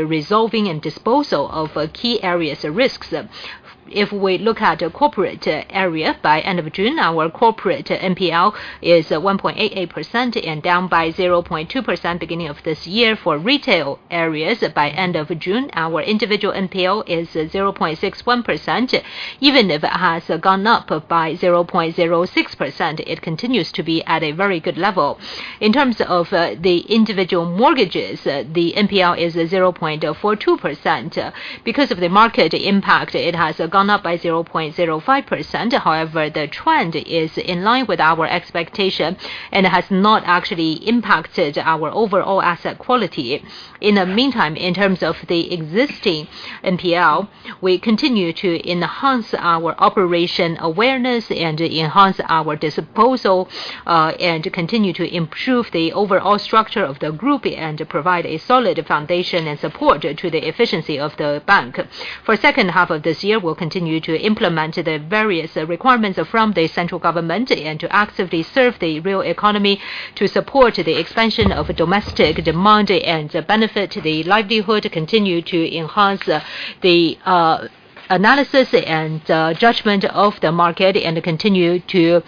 Speaker 15: resolving and disposal of, key areas of risks. If we look at the corporate area, by end of June, our corporate NPL is 1.88% and down by 0.2% beginning of this year. For retail areas, by end of June, our individual NPL is 0.61%. Even if it has gone up by 0.06%, it continues to be at a very good level. In terms of the individual mortgages, the NPL is 0.42%. Because of the market impact, it has gone up by 0.05%. However, the trend is in line with our expectation and has not actually impacted our overall asset quality. In the meantime, in terms of the existing NPL, we continue to enhance our operation awareness and enhance our disposal, and to continue to improve the overall structure of the group and to provide a solid foundation and support to the efficiency of the bank. For second half of this year, we'll continue to implement the various requirements from the central government and to actively serve the real economy, to support the expansion of domestic demand and benefit the livelihood, continue to enhance the analysis and judgment of the market, and continue to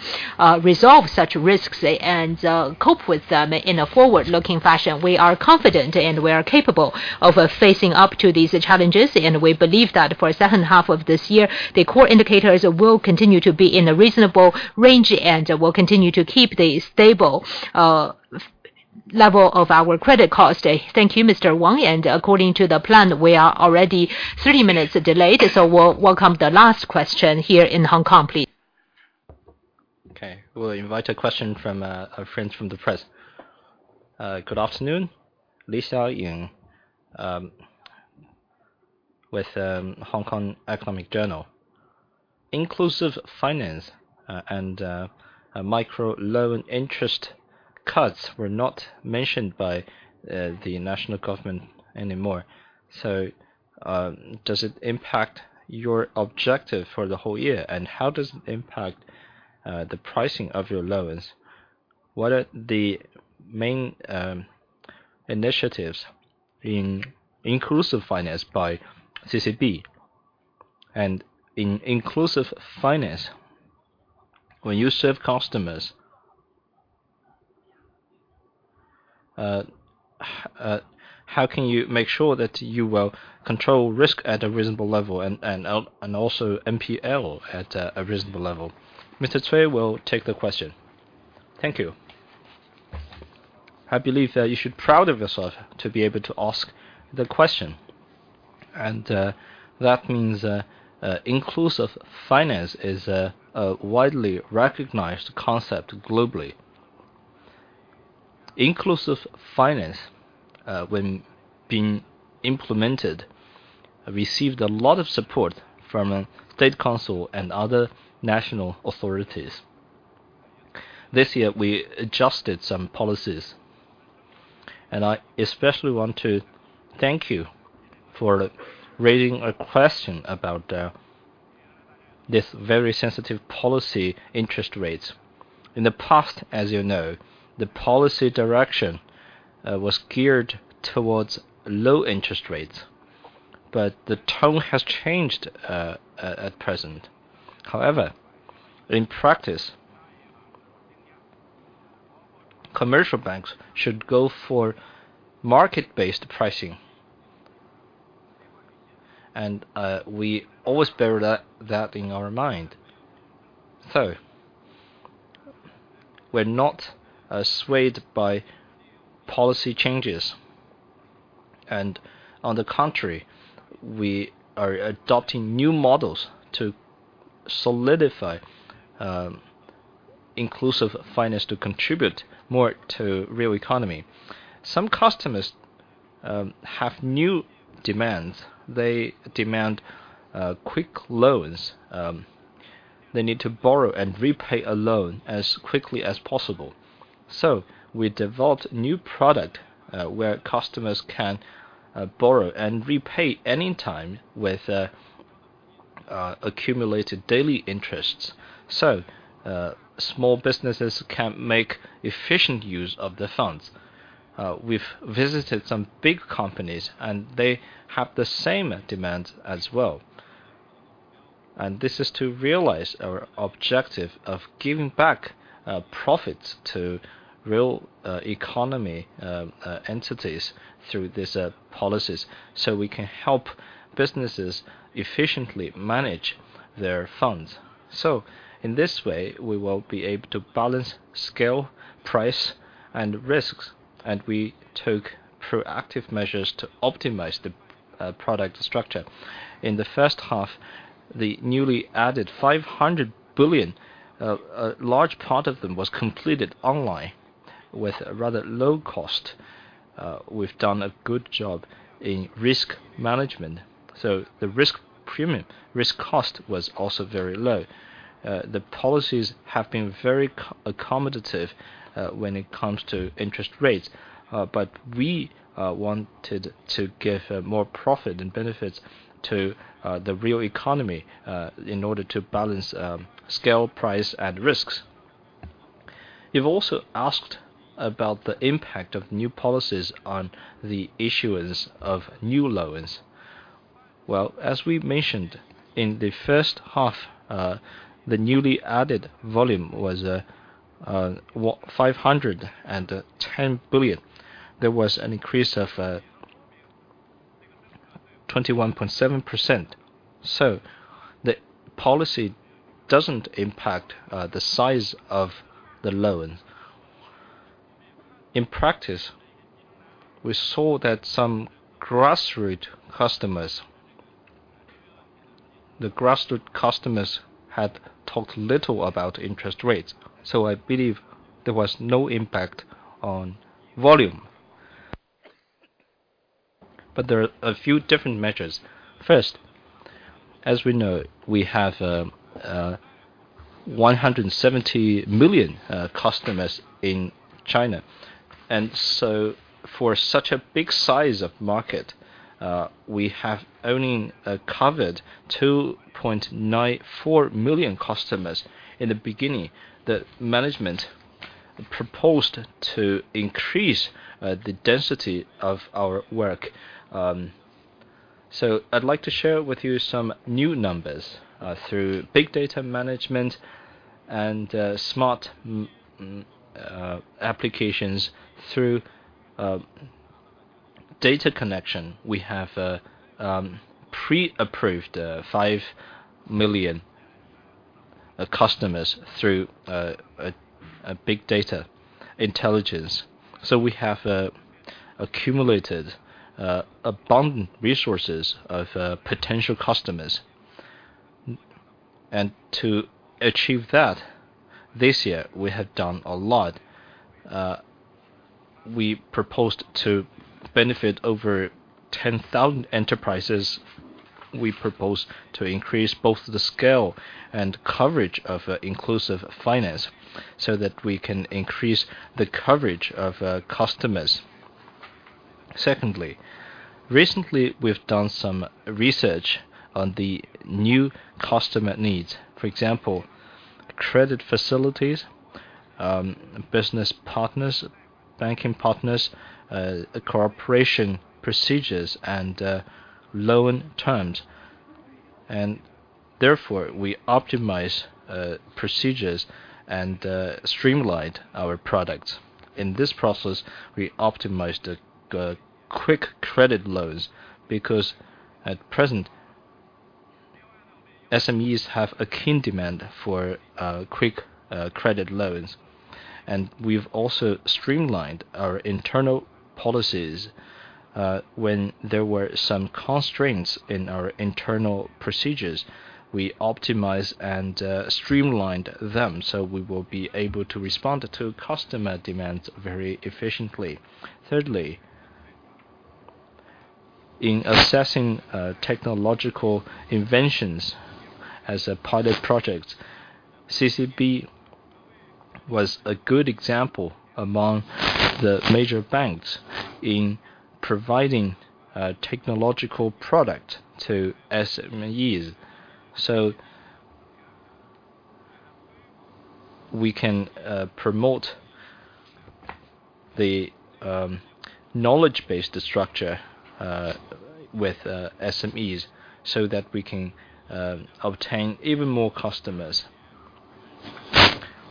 Speaker 15: resolve such risks and cope with them in a forward-looking fashion. We are confident, and we are capable of facing up to these challenges, and we believe that for second half of this year, the core indicators will continue to be in a reasonable range and will continue to keep the stable level of our credit cost.
Speaker 1: Thank you, Mr. Wang. And according to the plan, we are already 30 minutes delayed, so we'll welcome the last question here in Hong Kong, please. Okay, we'll invite a question from our friends from the press.
Speaker 16: Good afternoon, Lisa Ying, with Hong Kong Economic Journal. Inclusive finance and micro loan interest cuts were not mentioned by the national government anymore. So, does it impact your objective for the whole year? And how does it impact the pricing of your loans? What are the main initiatives in inclusive finance by CCB? And in inclusive finance, when you serve customers, how can you make sure that you will control risk at a reasonable level and also NPL at a reasonable level?
Speaker 1: Mr. Cui will take the question.
Speaker 9: Thank you. I believe that you should proud of yourself to be able to ask the question, and that means inclusive finance is a widely recognized concept globally. Inclusive finance, when being implemented, received a lot of support from State Council and other national authorities. This year, we adjusted some policies, and I especially want to thank you for raising a question about, this very sensitive policy, interest rates. In the past, as you know, the policy direction, was geared towards low interest rates, but the tone has changed, at present. However, in practice, commercial banks should go for market-based pricing, and, we always bear that in our mind. So we're not, swayed by policy changes, and on the contrary, we are adopting new models to solidify, inclusive finance to contribute more to real economy. Some customers, have new demands. They demand, quick loans. They need to borrow and repay a loan as quickly as possible. So we developed new product, where customers can borrow and repay anytime with accumulated daily interests. So small businesses can make efficient use of the funds. We've visited some big companies, and they have the same demand as well, and this is to realize our objective of giving back profits to real economy entities through these policies. So we can help businesses efficiently manage their funds. So in this way, we will be able to balance scale, price-... and risks, and we took proactive measures to optimize the product structure. In the first half, the newly added 500 billion, a large part of them was completed online with a rather low cost. We've done a good job in risk management, so the risk premium, risk cost was also very low. The policies have been very accommodative when it comes to interest rates, but we wanted to give more profit and benefits to the real economy in order to balance scale, price, and risks. You've also asked about the impact of new policies on the issuance of new loans. Well, as we mentioned, in the first half, the newly added volume was 510 billion. There was an increase of 21.7%. So the policy doesn't impact the size of the loan. In practice, we saw that some grassroots customers... The grassroots customers had talked little about interest rates, so I believe there was no impact on volume. But there are a few different measures. First, as we know, we have a 170 million customers in China, and so for such a big size of market, we have only covered 2.94 million customers. In the beginning, the management proposed to increase the density of our work. So I'd like to share with you some new numbers through big data management and smart applications. Through data connection, we have pre-approved 5 million customers through a big data intelligence. So we have accumulated abundant resources of potential customers. And to achieve that, this year, we have done a lot. We proposed to benefit over 10,000 enterprises. We proposed to increase both the scale and coverage of inclusive finance so that we can increase the coverage of customers. Secondly, recently, we've done some research on the new customer needs. For example, credit facilities, business partners, banking partners, cooperation procedures, and loan terms, and therefore, we optimize procedures and streamlined our products. In this process, we optimized the quick credit loans, because at present, SMEs have a keen demand for quick credit loans. We've also streamlined our internal policies. When there were some constraints in our internal procedures, we optimized and streamlined them, so we will be able to respond to customer demands very efficiently. Thirdly, in assessing technological inventions as a pilot project, CCB was a good example among the major banks in providing technological product to SMEs. So we can promote the knowledge-based structure with SMEs, so that we can obtain even more customers.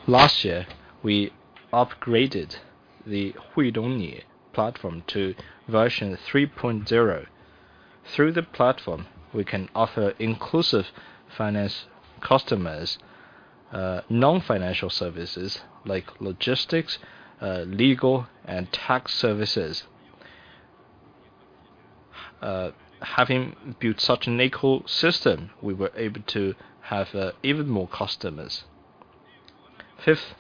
Speaker 9: Last year, we upgraded the Huidongni platform to version 3.0. Through the platform, we can offer inclusive finance customers, non-financial services like logistics, legal, and tax services. Having built such an ecosystem, we were able to have, even more customers. Fifth,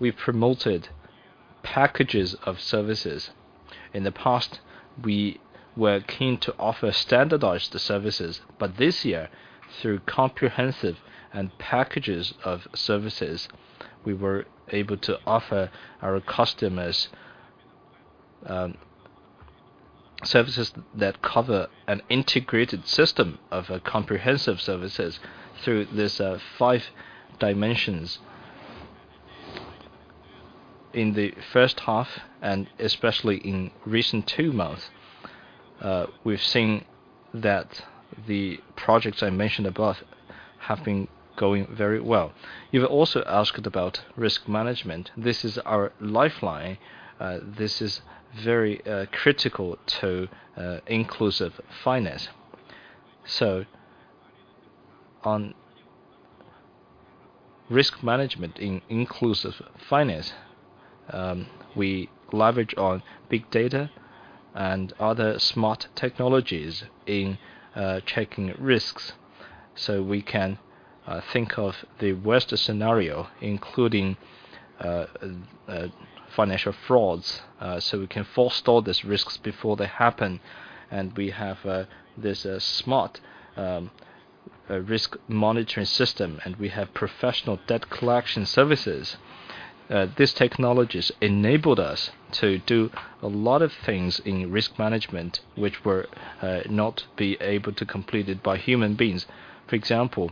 Speaker 9: we promoted packages of services. In the past, we were keen to offer standardized services, but this year, through comprehensive and packages of services, we were able to offer our customers, services that cover an integrated system of comprehensive services through these, five dimensions. In the first half, and especially in recent two months, we've seen that the projects I mentioned above have been going very well. You've also asked about risk management. This is our lifeline. This is very, critical to, inclusive finance. On risk management in inclusive finance, we leverage on big data and other smart technologies in checking risks, so we can think of the worst scenario, including financial frauds. So we can forestall these risks before they happen, and we have this smart risk monitoring system, and we have professional debt collection services. These technologies enabled us to do a lot of things in risk management, which were not be able to completed by human beings. For example,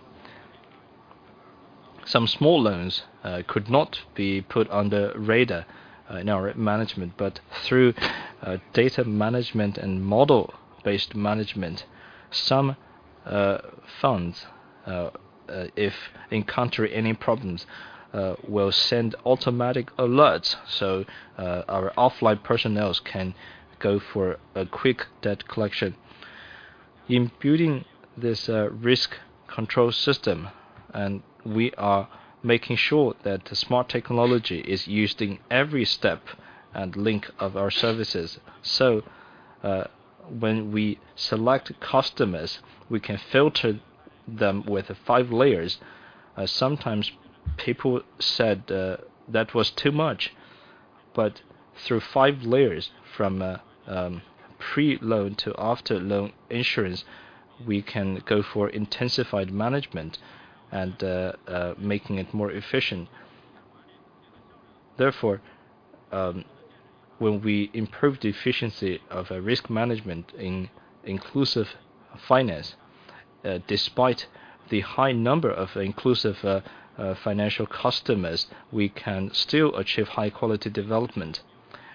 Speaker 9: some small loans could not be put under radar in our management, but through data management and model-based management, some funds if encounter any problems, we'll send automatic alerts, so our offline personnel can go for a quick debt collection.
Speaker 1: In building this risk control system, we are making sure that the smart technology is used in every step and link of our services. So, when we select customers, we can filter them with five layers. Sometimes people said that was too much, but through five layers, from pre-loan to after-loan insurance, we can go for intensified management and making it more efficient. Therefore, when we improve the efficiency of a risk management in inclusive finance, despite the high number of inclusive financial customers, we can still achieve high quality development.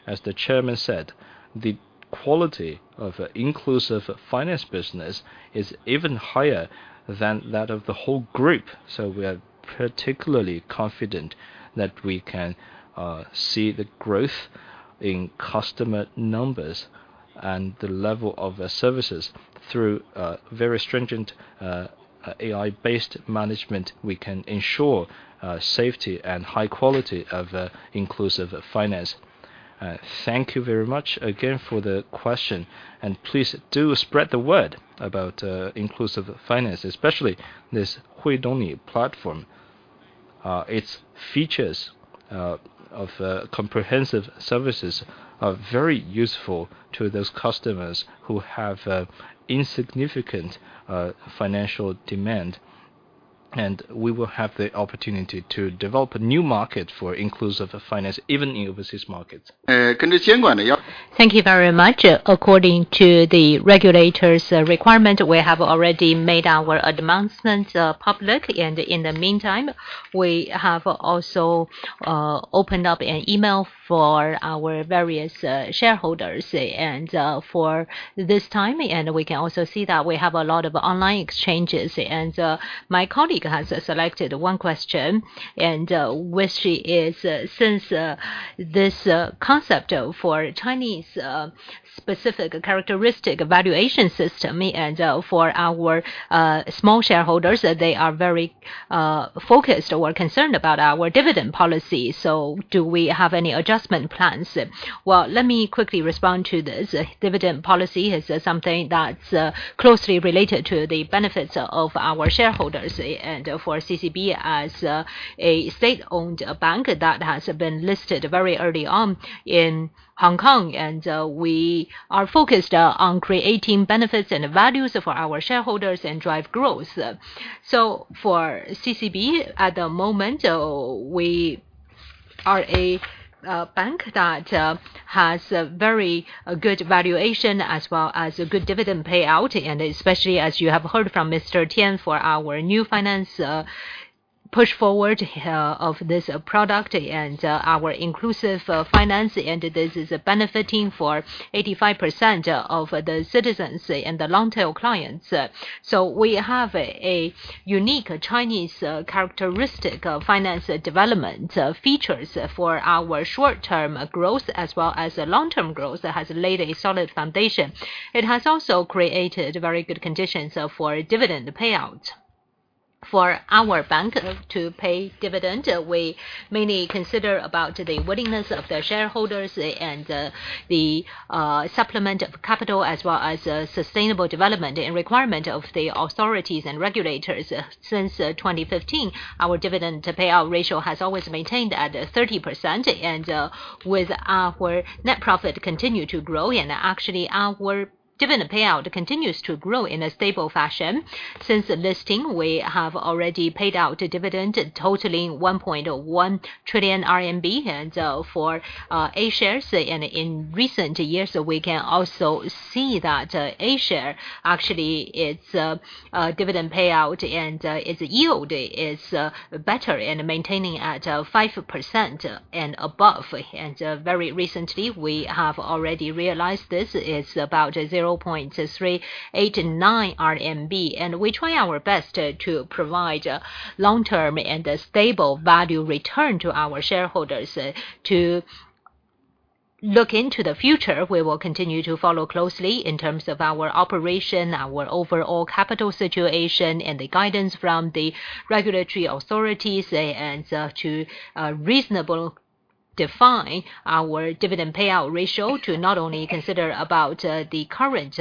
Speaker 1: As the chairman said, "The quality of inclusive finance business is even higher than that of the whole group." So we are particularly confident that we can see the growth in customer numbers and the level of our services.
Speaker 9: Through a very stringent AI-based management, we can ensure safety and high quality of inclusive finance. Thank you very much again for the question, and please do spread the word about inclusive finance, especially this Huidongni platform. Its features of comprehensive services are very useful to those customers who have insignificant financial demand, and we will have the opportunity to develop a new market for inclusive finance, even in overseas markets.
Speaker 1: Thank you very much. According to the regulator's requirement, we have already made our announcements public, and in the meantime, we have also opened up an email for our various shareholders, and for this time, and we can also see that we have a lot of online exchanges. My colleague has selected one question, and which is, since this concept of for Chinese specific characteristic evaluation system and for our small shareholders, they are very focused or concerned about our dividend policy. So do we have any adjustment plans? Well, let me quickly respond to this.
Speaker 2: Dividend policy is something that's closely related to the benefits of our shareholders, and for CCB as a state-owned bank that has been listed very early on in Hong Kong, and we are focused on creating benefits and values for our shareholders and drive growth. So for CCB, at the moment, we are a bank that has a very good valuation as well as a good dividend payout, and especially as you have heard from Mr. Tian, for our new finance push forward of this product and our inclusive finance, and this is benefiting for 85% of the citizens and the long-tail clients. So we have a unique Chinese characteristic of finance development features for our short-term growth as well as long-term growth that has laid a solid foundation. It has also created very good conditions for dividend payouts. For our bank to pay dividend, we mainly consider about the willingness of the shareholders and the supplement of capital, as well as sustainable development and requirement of the authorities and regulators. Since 2015, our dividend payout ratio has always maintained at 30%, and with our net profit continue to grow, and actually, our dividend payout continues to grow in a stable fashion. Since the listing, we have already paid out a dividend totaling 1.1 trillion RMB. And for A-shares, and in recent years, we can also see that A-share, actually, its dividend payout and its yield is better and maintaining at 5% and above. And very recently, we have already realized this. It's about 0.389 RMB, and we try our best to provide a long-term and a stable value return to our shareholders. To look into the future, we will continue to follow closely in terms of our operation, our overall capital situation, and the guidance from the regulatory authorities, and to reasonably define our dividend payout ratio, to not only consider about the current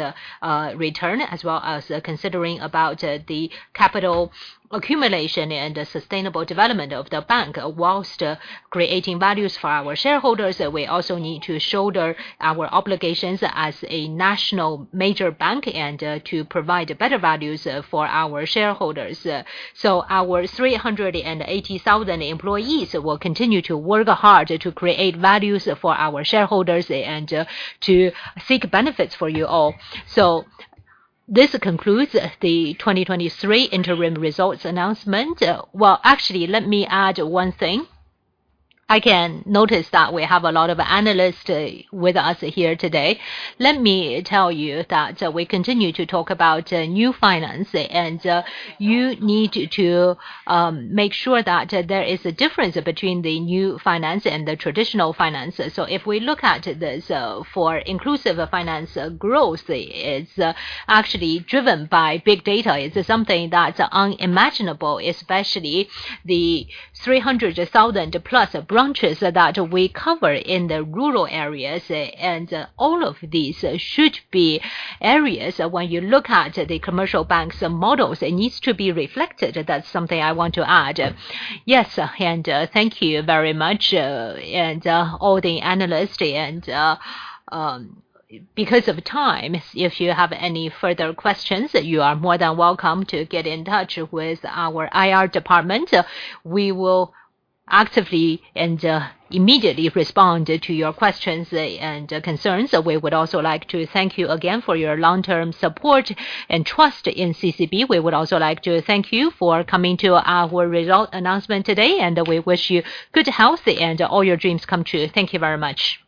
Speaker 2: return, as well as considering about the capital accumulation and the sustainable development of the bank. Whilst creating values for our shareholders, we also need to shoulder our obligations as a national major bank and to provide better values for our shareholders. So our 380,000 employees will continue to work hard to create values for our shareholders and to seek benefits for you all. So this concludes the 2023 interim results announcement. Well, actually, let me add one thing. I can notice that we have a lot of analysts with us here today. Let me tell you that we continue to talk about new finance, and you need to make sure that there is a difference between the new finance and the traditional finance. So if we look at this, for inclusive finance growth, it's actually driven by big data. It's something that's unimaginable, especially the 300,000-plus branches that we cover in the rural areas. And all of these should be areas, when you look at the commercial banks' models, it needs to be reflected. That's something I want to add. Yes, and thank you very much, and all the analysts. Because of time, if you have any further questions, you are more than welcome to get in touch with our IR department. We will actively and immediately respond to your questions and concerns. We would also like to thank you again for your long-term support and trust in CCB. We would also like to thank you for coming to our result announcement today, and we wish you good health and all your dreams come true. Thank you very much.